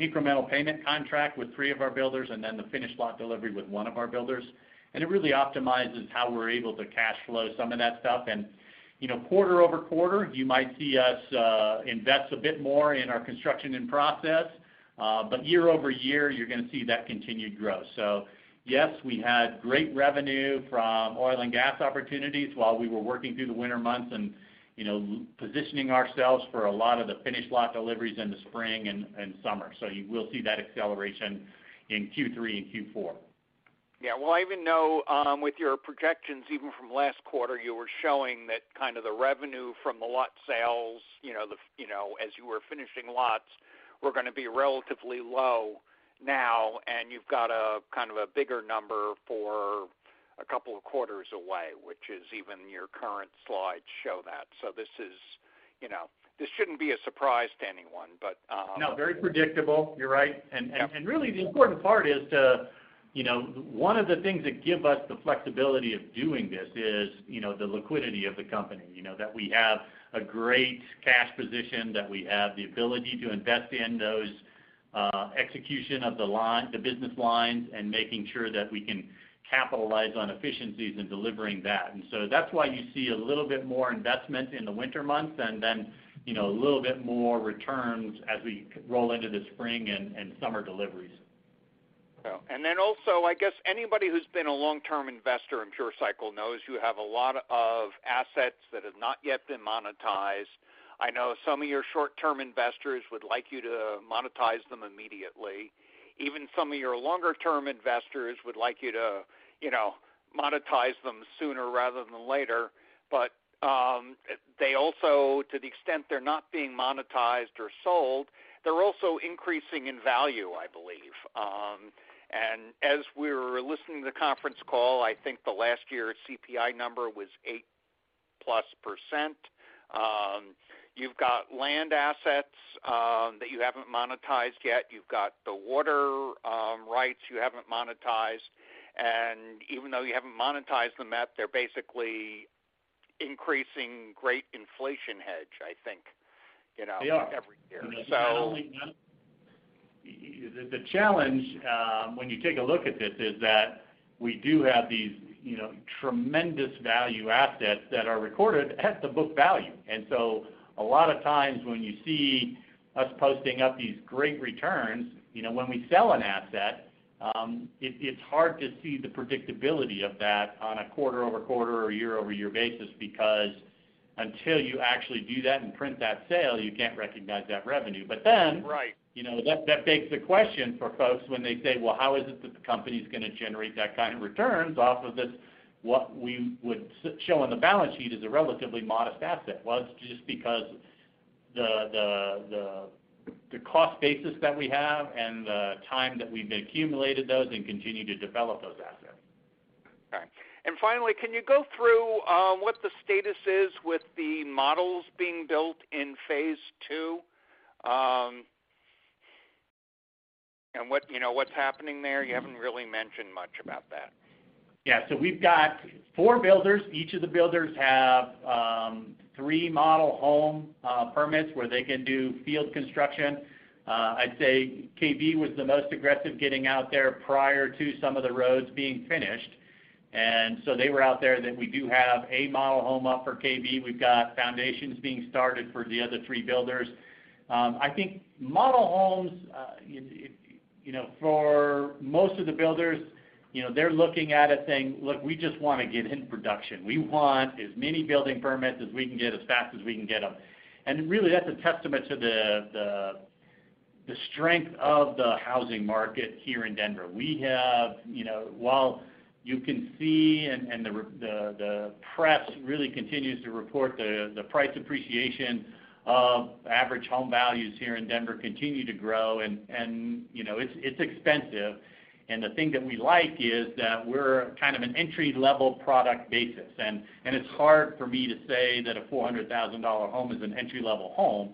incremental payment contract with three of our builders, and then the finished lot delivery with one of our builders. It really optimizes how we're able to cash flow some of that stuff. You know, quarter-over-quarter, you might see us invest a bit more in our construction in process. Year-over-year, you're gonna see that continued growth. Yes, we had great revenue from oil and gas opportunities while we were working through the winter months and, you know, positioning ourselves for a lot of the finished lot deliveries in the spring and summer. You will see that acceleration in Q3 and Q4. Yeah. Well, I even know, with your projections, even from last quarter, you were showing that kind of the revenue from the lot sales, you know, the, you know, as you were finishing lots, were gonna be relatively low now. You've got a kind of a bigger number for a couple of quarters away, which is even your current slides show that. This is, you know, this shouldn't be a surprise to anyone, but No, very predictable. You're right. Yeah. Really the important part is to, you know, one of the things that give us the flexibility of doing this is, you know, the liquidity of the company. You know, that we have a great cash position, that we have the ability to invest in those, execution of the line, the business lines, and making sure that we can capitalize on efficiencies in delivering that. That's why you see a little bit more investment in the winter months and then, you know, a little bit more returns as we roll into the spring and summer deliveries. I guess anybody who's been a long-term investor in Pure Cycle knows you have a lot of assets that have not yet been monetized. I know some of your short-term investors would like you to monetize them immediately. Even some of your longer-term investors would like you to, you know, monetize them sooner rather than later. They also, to the extent they're not being monetized or sold, they're also increasing in value, I believe. As we're listening to the conference call, I think the last year's CPI number was 8%+. You've got land assets that you haven't monetized yet. You've got the water rights you haven't monetized. Even though you haven't monetized them yet, they're basically increasing. Great inflation hedge, I think, you know- They are Every year. The challenge, when you take a look at this is that we do have these, you know, tremendous value assets that are recorded at the book value. A lot of times when you see us posting up these great returns, you know, when we sell an asset, it's hard to see the predictability of that on a quarter-over-quarter or year-over-year basis. Because until you actually do that and print that sale, you can't recognize that revenue. Right... you know, that begs the question for folks when they say, "Well, how is it that the company's gonna generate that kind of returns off of this?" What we would show on the balance sheet is a relatively modest asset. Well, it's just because the cost basis that we have and the time that we've accumulated those and continue to develop those assets. All right. Finally, can you go through what the status is with the models being built in phase two? What, you know, what's happening there? You haven't really mentioned much about that. Yeah. We've got four builders. Each of the builders have three model home permits where they can do field construction. I'd say KB was the most aggressive getting out there prior to some of the roads being finished. They were out there that we do have a model home up for KB. We've got foundations being started for the other three builders. I think model homes, you know, for most of the builders, you know, they're looking at it saying, "Look, we just wanna get in production. We want as many building permits as we can get as fast as we can get them." Really, that's a testament to the strength of the housing market here in Denver. We have, you know, while you can see and the press really continues to report the price appreciation of average home values here in Denver continue to grow and, you know, it's expensive. The thing that we like is that we're kind of an entry-level product basis. It's hard for me to say that a $400,000 home is an entry-level home,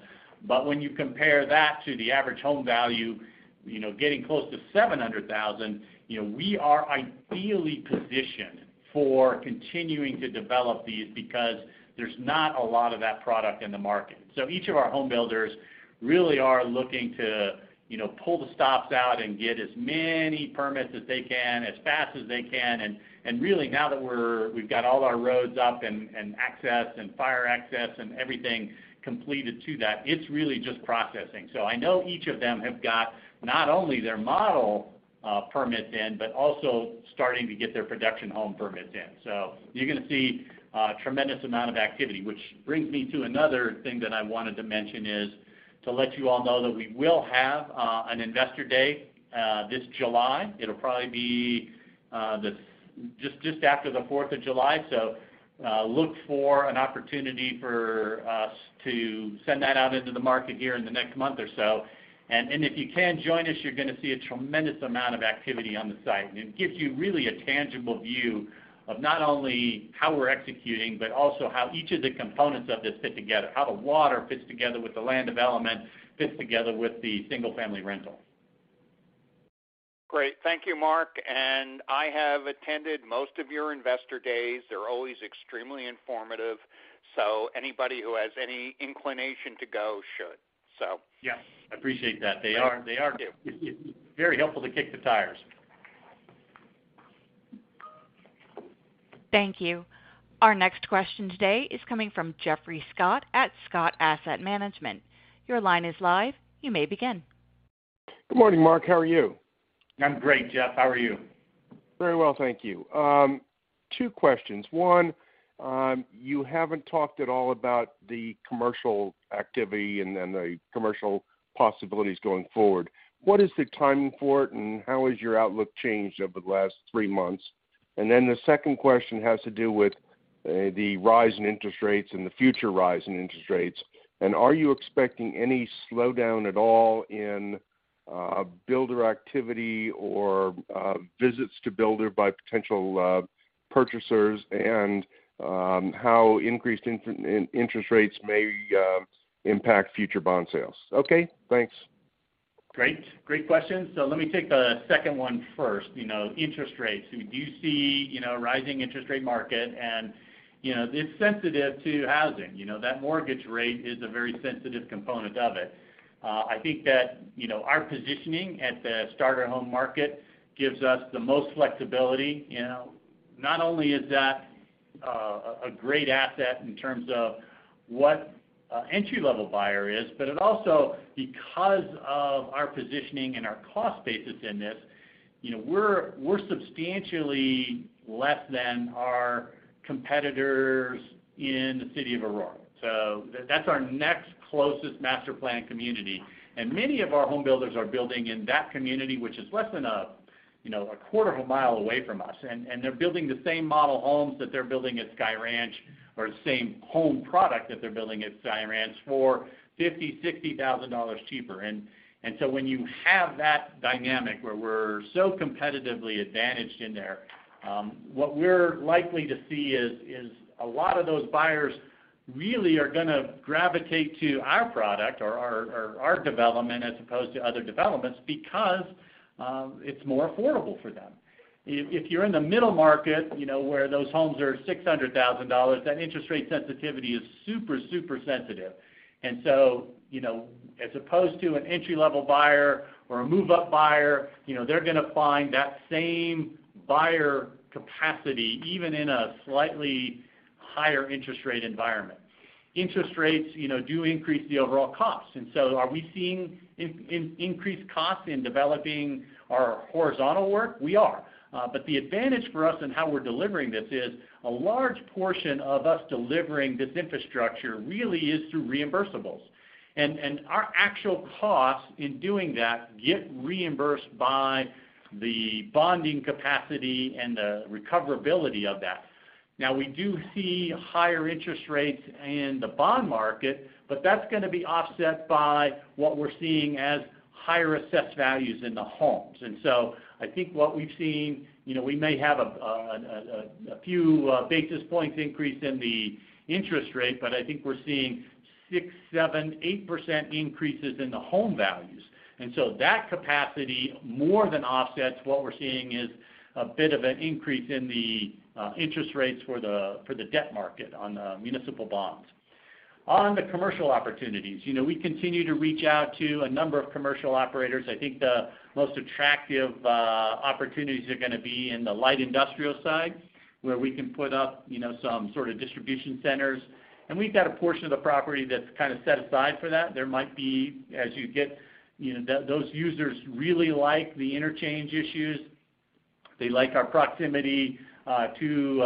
but when you compare that to the average home value, you know, getting close to $700,000, you know, we are ideally positioned for continuing to develop these because there's not a lot of that product in the market. Each of our home builders really are looking to, you know, pull the stops out and get as many permits as they can as fast as they can. Really now that we've got all our roads up and access and fire access and everything completed to that, it's really just processing. I know each of them have got not only their model permits in, but also starting to get their production home permits in. You're gonna see a tremendous amount of activity, which brings me to another thing that I wanted to mention is to let you all know that we will have an investor day this July. It'll probably be just after the Fourth of July. Look for an opportunity for us to send that out into the market here in the next month or so. If you can join us, you're gonna see a tremendous amount of activity on the site. It gives you really a tangible view of not only how we're executing, but also how each of the components of this fit together, how the water fits together with the land development, fits together with the single family rental. Great. Thank you, Mark. I have attended most of your investor days. They're always extremely informative. Anybody who has any inclination to go should. Yes. I appreciate that. They are Thank you. They are very helpful to kick the tires. Thank you. Our next question today is coming from Geoffrey Scott at Scott Asset Management. Your line is live. You may begin. Good morning, Mark. How are you? I'm great, Jeff. How are you? Very well, thank you. Two questions. One, you haven't talked at all about the commercial activity and then the commercial possibilities going forward. What is the timing for it, and how has your outlook changed over the last three months? The second question has to do with the rise in interest rates and the future rise in interest rates. Are you expecting any slowdown at all in builder activity or visits to builder by potential purchasers, and how increased interest rates may impact future bond sales? Okay, thanks. Great. Great question. Let me take the second one first, you know, interest rates. We do see, you know, a rising interest rate market and, you know, it's sensitive to housing. You know, that mortgage rate is a very sensitive component of it. I think that, you know, our positioning at the starter home market gives us the most flexibility. You know, not only is that a great asset in terms of what an entry-level buyer is. It also, because of our positioning and our cost basis in this, you know, we're substantially less than our competitors in the City of Aurora. That's our next closest master-planned community. Many of our home builders are building in that community, which is less than a, you know, a quarter of a mile away from us. They're building the same model homes that they're building at Sky Ranch, or the same home product that they're building at Sky Ranch for $50,000-$60,000 cheaper. When you have that dynamic where we're so competitively advantaged in there, what we're likely to see is a lot of those buyers really are gonna gravitate to our product or our development as opposed to other developments because it's more affordable for them. If you're in the middle market, you know, where those homes are $600,000, that interest rate sensitivity is super sensitive. You know, as opposed to an entry-level buyer or a move-up buyer, you know, they're gonna find that same buyer capacity, even in a slightly higher interest rate environment. Interest rates, you know, do increase the overall cost. Are we seeing increased costs in developing our horizontal work? We are. The advantage for us in how we're delivering this is, a large portion of our delivering this infrastructure really is through reimbursables. Our actual costs in doing that get reimbursed by the bonding capacity and the recoverability of that. Now, we do see higher interest rates in the bond market, but that's gonna be offset by what we're seeing as higher assessed values in the homes. I think what we've seen, you know, we may have a few basis points increase in the interest rate, but I think we're seeing 6%-8% increases in the home values. That capacity more than offsets what we're seeing is a bit of an increase in the interest rates for the debt market on the municipal bonds. On the commercial opportunities, you know, we continue to reach out to a number of commercial operators. I think the most attractive opportunities are gonna be in the light industrial side, where we can put up, you know, some sort of distribution centers. We've got a portion of the property that's kind of set aside for that. There might be, as you get, you know, those users really like the interchange issues, they like our proximity to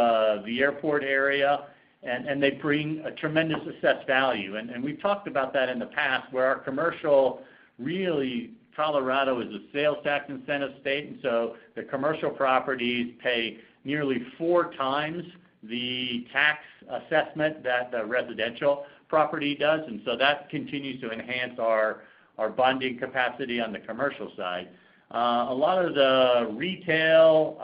the airport area, and they bring a tremendous assessed value. We've talked about that in the past where our commercial... Really, Colorado is a sales tax incentive state, and so the commercial properties pay nearly four times the tax assessment that the residential property does. That continues to enhance our bonding capacity on the commercial side. A lot of the retail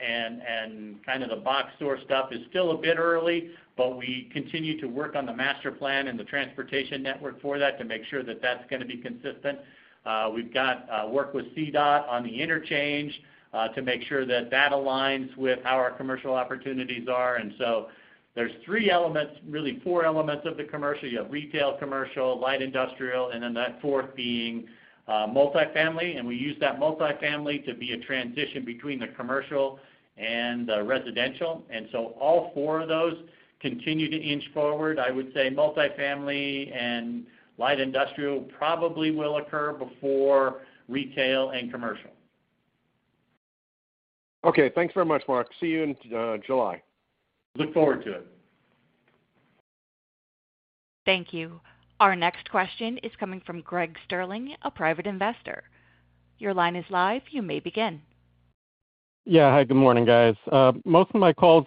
and kind of the box store stuff is still a bit early, but we continue to work on the master plan and the transportation network for that to make sure that that's gonna be consistent. We've got work with CDOT on the interchange to make sure that that aligns with how our commercial opportunities are. There's three elements, really four elements of the commercial. You have retail commercial, light industrial, and then that fourth being multifamily, and we use that multifamily to be a transition between the commercial and the residential. All four of those continue to inch forward. I would say multifamily and light industrial probably will occur before retail and commercial. Okay. Thanks very much, Mark. See you in July. Look forward to it. Thank you. Our next question is coming from Greg Sterling, a Private Investor. Your line is live. You may begin. Yeah. Hi, good morning, guys. Most of my questions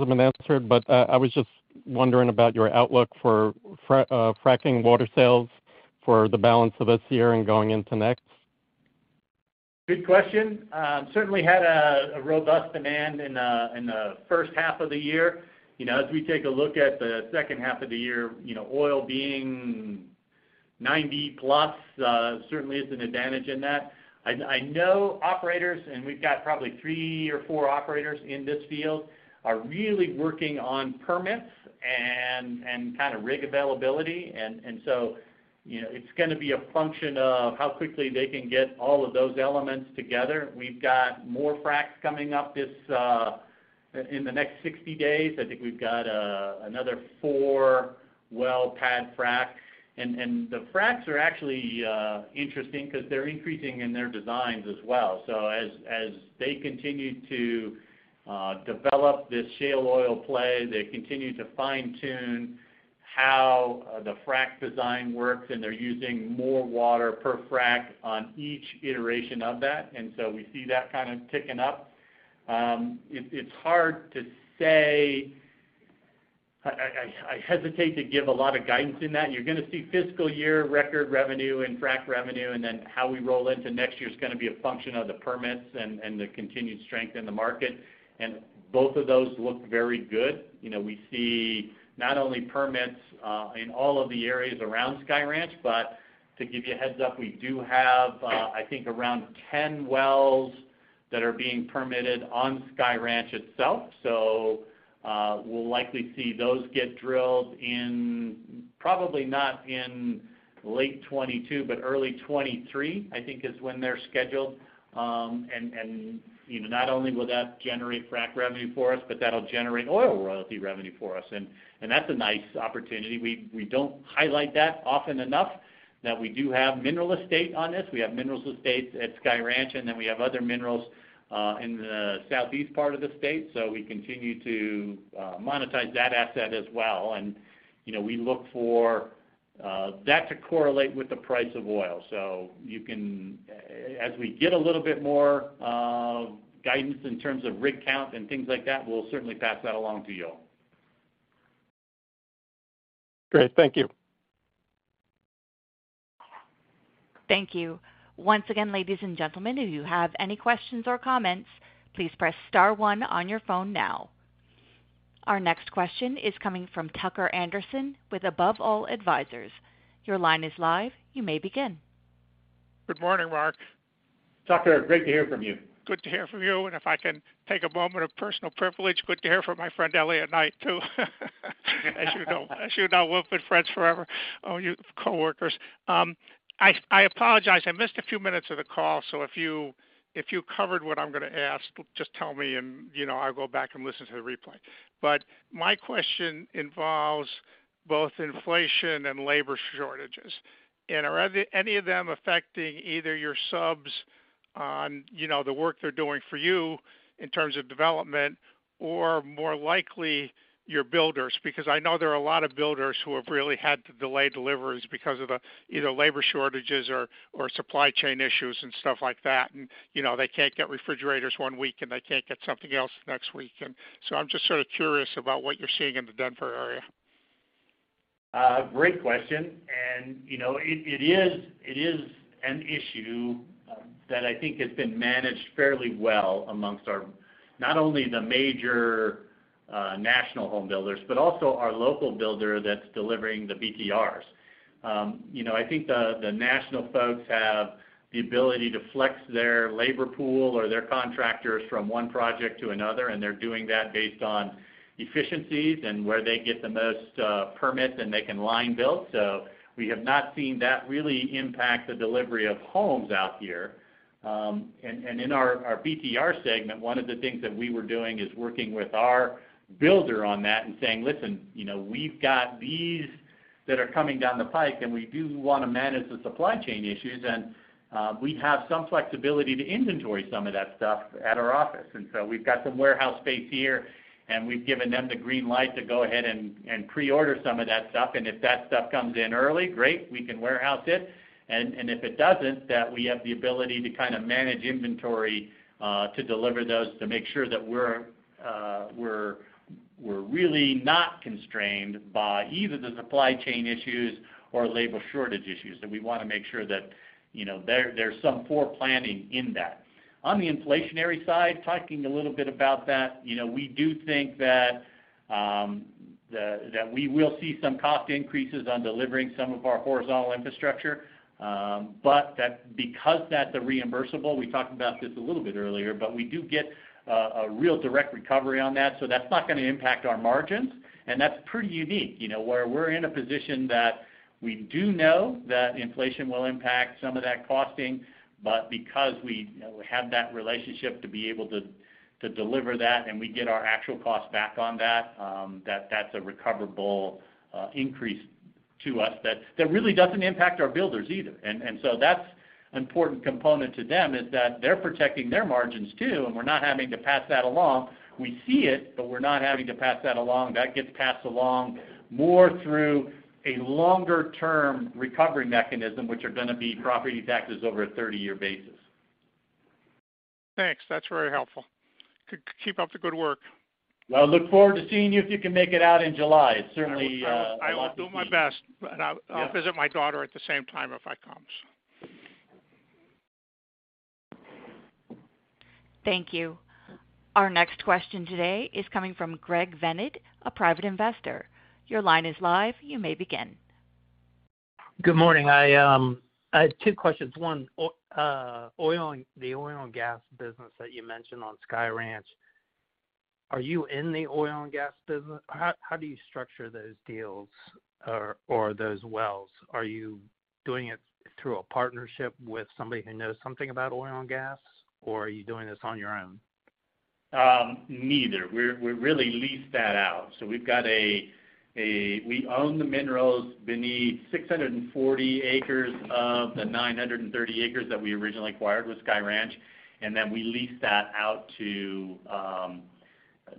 have been answered, but I was just wondering about your outlook for fracking water sales for the balance of this year and going into next. Good question. Certainly had a robust demand in the first half of the year. You know, as we take a look at the second half of the year, you know, oil being $90+, certainly is an advantage in that. I know operators, and we've got probably 3 or 4 operators in this field, are really working on permits and kind of rig availability. You know, it's gonna be a function of how quickly they can get all of those elements together. We've got more fracs coming up in the next 60 days. I think we've got another 4 well pad fracs. The fracs are actually interesting 'cause they're increasing in their designs as well. As they continue to develop this shale oil play, they continue to fine-tune how the frac design works, and they're using more water per frac on each iteration of that. We see that kind of ticking up. It's hard to say. I hesitate to give a lot of guidance in that. You're gonna see fiscal year record revenue and frac revenue, and then how we roll into next year is gonna be a function of the permits and the continued strength in the market. Both of those look very good. You know, we see not only permits in all of the areas around Sky Ranch, but to give you a heads up, we do have, I think around 10 wells that are being permitted on Sky Ranch itself. We'll likely see those get drilled in probably not in late 2022, but early 2023, I think is when they're scheduled. You know, not only will that generate frac revenue for us, but that'll generate oil royalty revenue for us. That's a nice opportunity. We don't highlight that often enough that we do have mineral estate on this. We have mineral estate at Sky Ranch, and then we have other minerals in the southeast part of the state. We continue to monetize that asset as well. You know, we look for that to correlate with the price of oil. As we get a little bit more guidance in terms of rig count and things like that, we'll certainly pass that along to you all. Great. Thank you. Thank you. Once again, ladies and gentlemen, if you have any questions or comments, please press star one on your phone now. Our next question is coming from Tucker Andersen with Above All Advisors. Your line is live. You may begin. Good morning, Mark. Tucker, great to hear from you. Good to hear from you. If I can take a moment of personal privilege, good to hear from my friend Elliot Knight too. As you know, we'll have been friends forever, all you coworkers. I apologize. I missed a few minutes of the call, so if you covered what I'm gonna ask, just tell me and, you know, I'll go back and listen to the replay. My question involves both inflation and labor shortages. Are either any of them affecting either your subs on, you know, the work they're doing for you in terms of development, or more likely your builders? Because I know there are a lot of builders who have really had to delay deliveries because of either labor shortages or supply chain issues and stuff like that. You know, they can't get refrigerators one week, and they can't get something else the next week. I'm just sort of curious about what you're seeing in the Denver area. Great question. You know, it is an issue that I think has been managed fairly well amongst our not only the major national home builders, but also our local builder that's delivering the BTRs. You know, I think the national folks have the ability to flex their labor pool or their contractors from one project to another, and they're doing that based on efficiencies and where they get the most permits, and they can line build. We have not seen that really impact the delivery of homes out here. In our BTR segment, one of the things that we were doing is working with our builder on that and saying, "Listen, you know, we've got these that are coming down the pike, and we do wanna manage the supply chain issues. We have some flexibility to inventory some of that stuff at our office." We've got some warehouse space here, and we've given them the green light to go ahead and pre-order some of that stuff. If that stuff comes in early, great, we can warehouse it. If it doesn't, we have the ability to kind of manage inventory to deliver those to make sure that we're really not constrained by either the supply chain issues or labor shortage issues. We want to make sure that, you know, there's some preplanning in that. On the inflationary side, talking a little bit about that, you know, we do think that that we will see some cost increases on delivering some of our horizontal infrastructure, but that because that's a reimbursable, we talked about this a little bit earlier, but we do get a real direct recovery on that, so that's not gonna impact our margins. That's pretty unique, you know. Where we're in a position that we do know that inflation will impact some of that costing, but because we, you know, have that relationship to be able to to deliver that and we get our actual cost back on that's a recoverable increase to us that that really doesn't impact our builders either. That's an important component to them is that they're protecting their margins too, and we're not having to pass that along. We see it, but we're not having to pass that along. That gets passed along more through a longer-term recovery mechanism, which are gonna be property taxes over a 30-year basis. Thanks. That's very helpful. Keep up the good work. Well, look forward to seeing you if you can make it out in July. It certainly would love to see you. I will do my best. Yeah. I'll visit my daughter at the same time if I come. Thank you. Our next question today is coming from [Greg Venn], a private investor. Your line is live. You may begin. Good morning. I have two questions. One, the oil and gas business that you mentioned on Sky Ranch, are you in the oil and gas business? How do you structure those deals or those wells? Are you doing it through a partnership with somebody who knows something about oil and gas, or are you doing this on your own? Neither. We really lease that out. We own the minerals beneath 640 acres of the 930 acres that we originally acquired with Sky Ranch, and then we lease that out to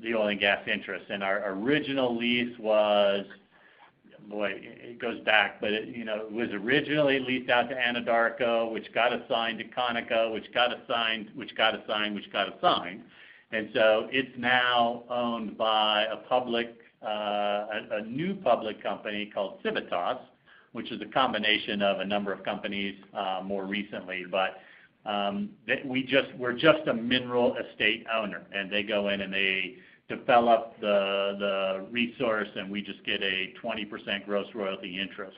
the oil and gas interests. Our original lease was, boy, it goes back. But it, you know, it was originally leased out to Anadarko, which got assigned to Conoco, which got assigned. It's now owned by a public, a new public company called Civitas, which is a combination of a number of companies, more recently. We're just a mineral estate owner, and they go in and they develop the resource, and we just get a 20% gross royalty interest.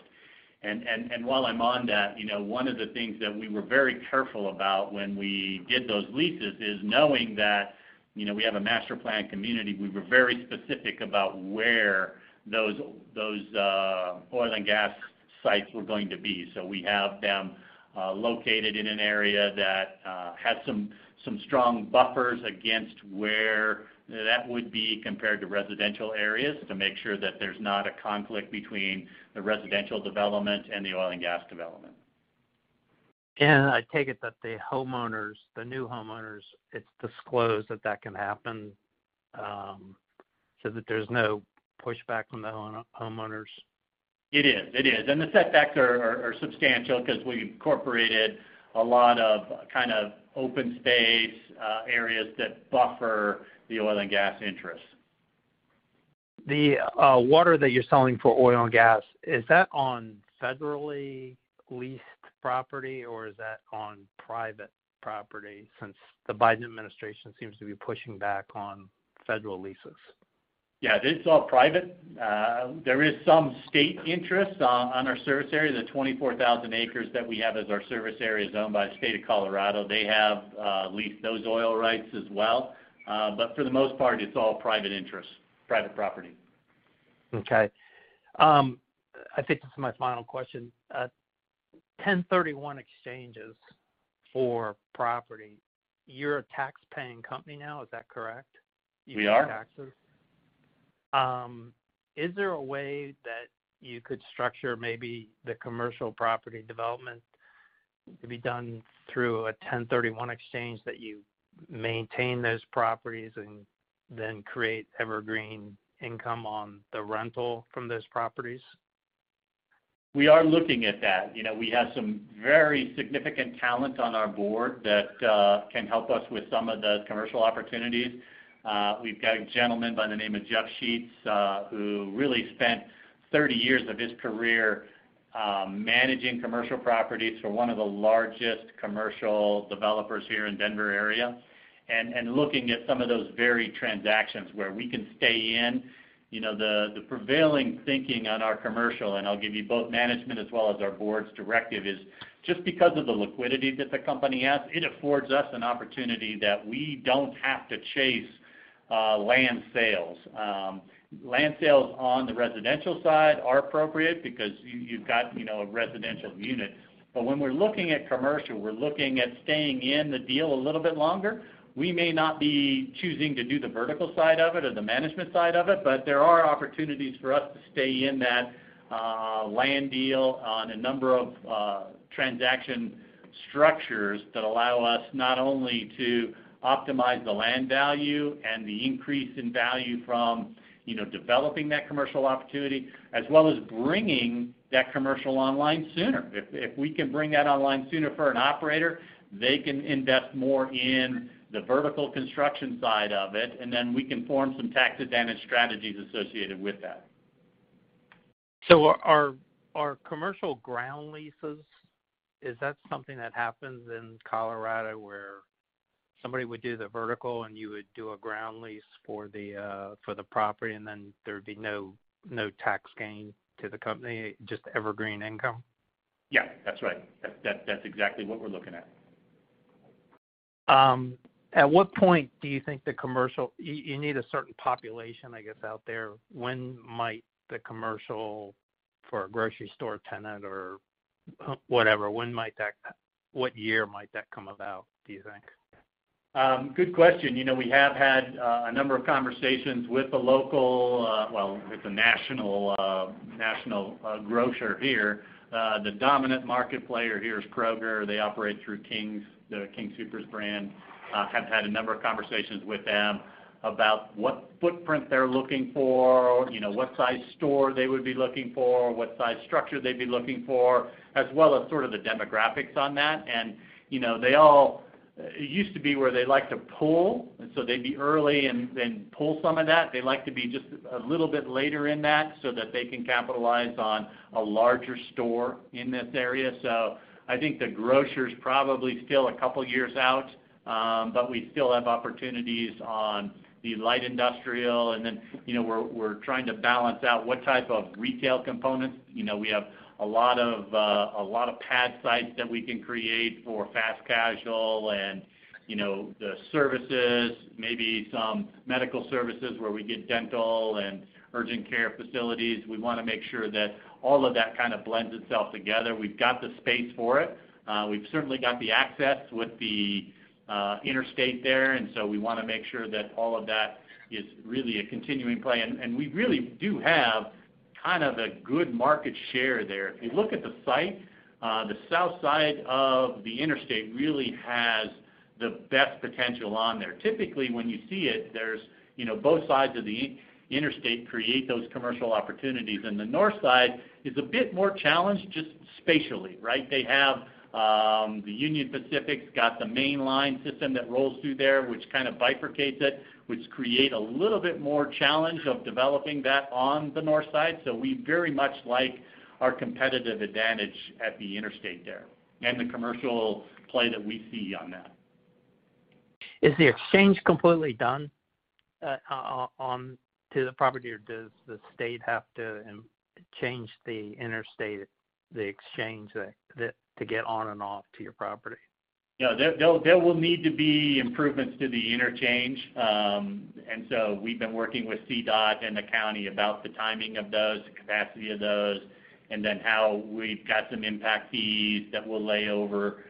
While I'm on that, you know, one of the things that we were very careful about when we did those leases is knowing that, you know, we have a master planned community. We were very specific about where those oil and gas sites were going to be. We have them located in an area that has some strong buffers against where that would be compared to residential areas to make sure that there's not a conflict between the residential development and the oil and gas development. I take it that the homeowners, the new homeowners, it's disclosed that that can happen, so that there's no pushback from the homeowners. It is. The setbacks are substantial 'cause we've incorporated a lot of kind of open space, areas that buffer the oil and gas interests. The water that you're selling for oil and gas, is that on federally leased property, or is that on private property, since the Biden Administration seems to be pushing back on federal leases? Yeah. It's all private. There is some state interest on our service area. The 24,000 acres that we have as our service area is owned by the state of Colorado. They have leased those oil rights as well. But for the most part, it's all private interests, private property. Okay. I think this is my final question. 1031 exchanges for property, you're a tax-paying company now, is that correct? We are. You pay taxes. Is there a way that you could structure maybe the commercial property development to be done through a 1031 exchange that you maintain those properties and then create evergreen income on the rental from those properties? We are looking at that. You know, we have some very significant talent on our board that can help us with some of the commercial opportunities. We've got a gentleman by the name of Jeff Sheets who really spent 30 years of his career managing commercial properties for one of the largest commercial developers here in Denver area, looking at some of those very transactions where we can stay in. You know, the prevailing thinking on our commercial and I'll give you both management as well as our board's directive is just because of the liquidity that the company has. It affords us an opportunity that we don't have to chase land sales. Land sales on the residential side are appropriate because you've got, you know, a residential unit. When we're looking at commercial, we're looking at staying in the deal a little bit longer. We may not be choosing to do the vertical side of it or the management side of it, but there are opportunities for us to stay in that land deal on a number of transaction structures that allow us not only to optimize the land value and the increase in value from, you know, developing that commercial opportunity, as well as bringing that commercial online sooner. If we can bring that online sooner for an operator, they can invest more in the vertical construction side of it, and then we can form some tax advantage strategies associated with that. Are commercial ground leases something that happens in Colorado, where somebody would do the vertical and you would do a ground lease for the property, and then there would be no tax gain to the company, just evergreen income? Yeah. That's right. That's exactly what we're looking at. At what point do you think the commercial? You need a certain population, I guess, out there. When might the commercial for a grocery store tenant or whatever, when might that? What year might that come about, do you think? Good question. You know, we have had a number of conversations with the national grocer here. The dominant market player here is Kroger. They operate through King Soopers brand. Have had a number of conversations with them about what footprint they're looking for, you know, what size store they would be looking for, what size structure they'd be looking for, as well as sort of the demographics on that. You know, they all. It used to be where they like to pull, and so they'd be early and pull some of that. They like to be just a little bit later in that so that they can capitalize on a larger store in this area. I think the grocer's probably still a couple years out, but we still have opportunities on the light industrial. Then, you know, we're trying to balance out what type of retail components. You know, we have a lot of pad sites that we can create for fast casual and, you know, the services, maybe some medical services where we get dental and urgent care facilities. We wanna make sure that all of that kind of blends itself together. We've got the space for it. We've certainly got the access with the interstate there, and so we wanna make sure that all of that is really a continuing play. We really do have kind of a good market share there. If you look at the site, the south side of the interstate really has the best potential on there. Typically, when you see it, there's, you know, both sides of the interstate create those commercial opportunities, and the north side is a bit more challenged just spatially, right? They have, the Union Pacific's got the main line system that rolls through there, which kind of bifurcates it, which create a little bit more challenge of developing that on the north side. We very much like our competitive advantage at the interstate there and the commercial play that we see on that. Is the interchange completely done onto the property, or does the state have to change the interstate, the interchange that to get on and off to your property? Yeah, there will need to be improvements to the interchange. We've been working with CDOT and the county about the timing of those, the capacity of those, and then how we've got some impact fees that we'll lay over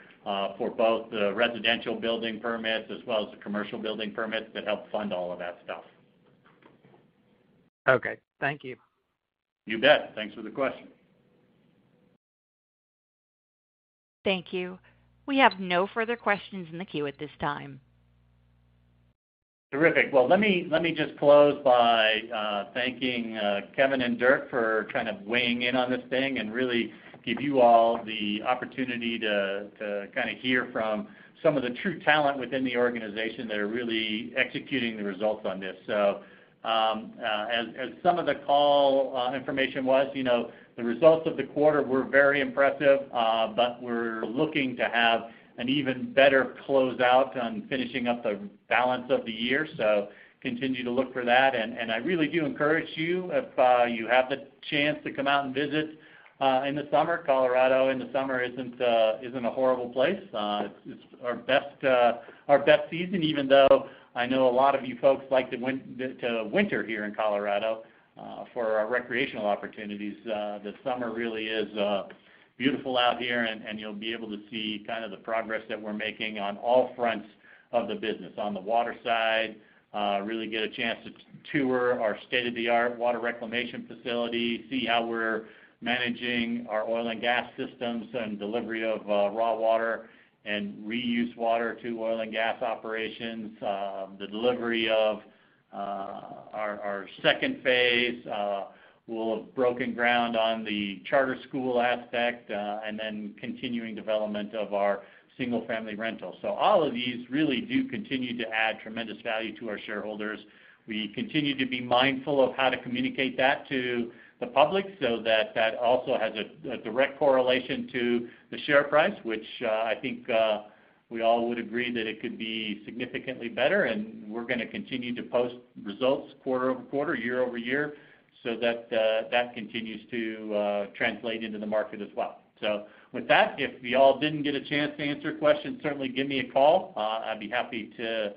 for both the residential building permits as well as the commercial building permits that help fund all of that stuff. Okay, thank you. You bet. Thanks for the question. Thank you. We have no further questions in the queue at this time. Terrific. Well, let me just close by thanking Kevin and Dirk for kind of weighing in on this thing and really give you all the opportunity to kinda hear from some of the true talent within the organization that are really executing the results on this. As some of the call information was, you know, the results of the quarter were very impressive. We're looking to have an even better closeout on finishing up the balance of the year. Continue to look for that. I really do encourage you, if you have the chance to come out and visit in the summer, Colorado in the summer isn't a horrible place. It's our best season, even though I know a lot of you folks like to winter here in Colorado for our recreational opportunities. The summer really is beautiful out here, and you'll be able to see kind of the progress that we're making on all fronts of the business. On the water side, you'll really get a chance to tour our state-of-the-art water reclamation facility, see how we're managing our oil and gas systems and delivery of raw water and reused water to oil and gas operations. The development of our second phase, we'll have broken ground on the charter school aspect, and then continuing development of our single-family rental. All of these really do continue to add tremendous value to our shareholders. We continue to be mindful of how to communicate that to the public so that that also has a direct correlation to the share price, which I think we all would agree that it could be significantly better. We're gonna continue to post results quarter-over-quarter, year-over-year, so that that continues to translate into the market as well. With that, if we all didn't get a chance to answer questions, certainly give me a call. I'd be happy to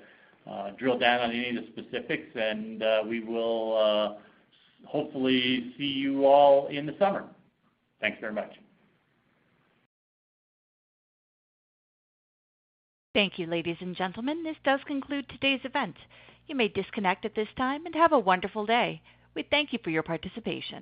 drill down on any of the specifics, and we will hopefully see you all in the summer. Thanks very much. Thank you, ladies and gentlemen. This does conclude today's event. You may disconnect at this time, and have a wonderful day. We thank you for your participation.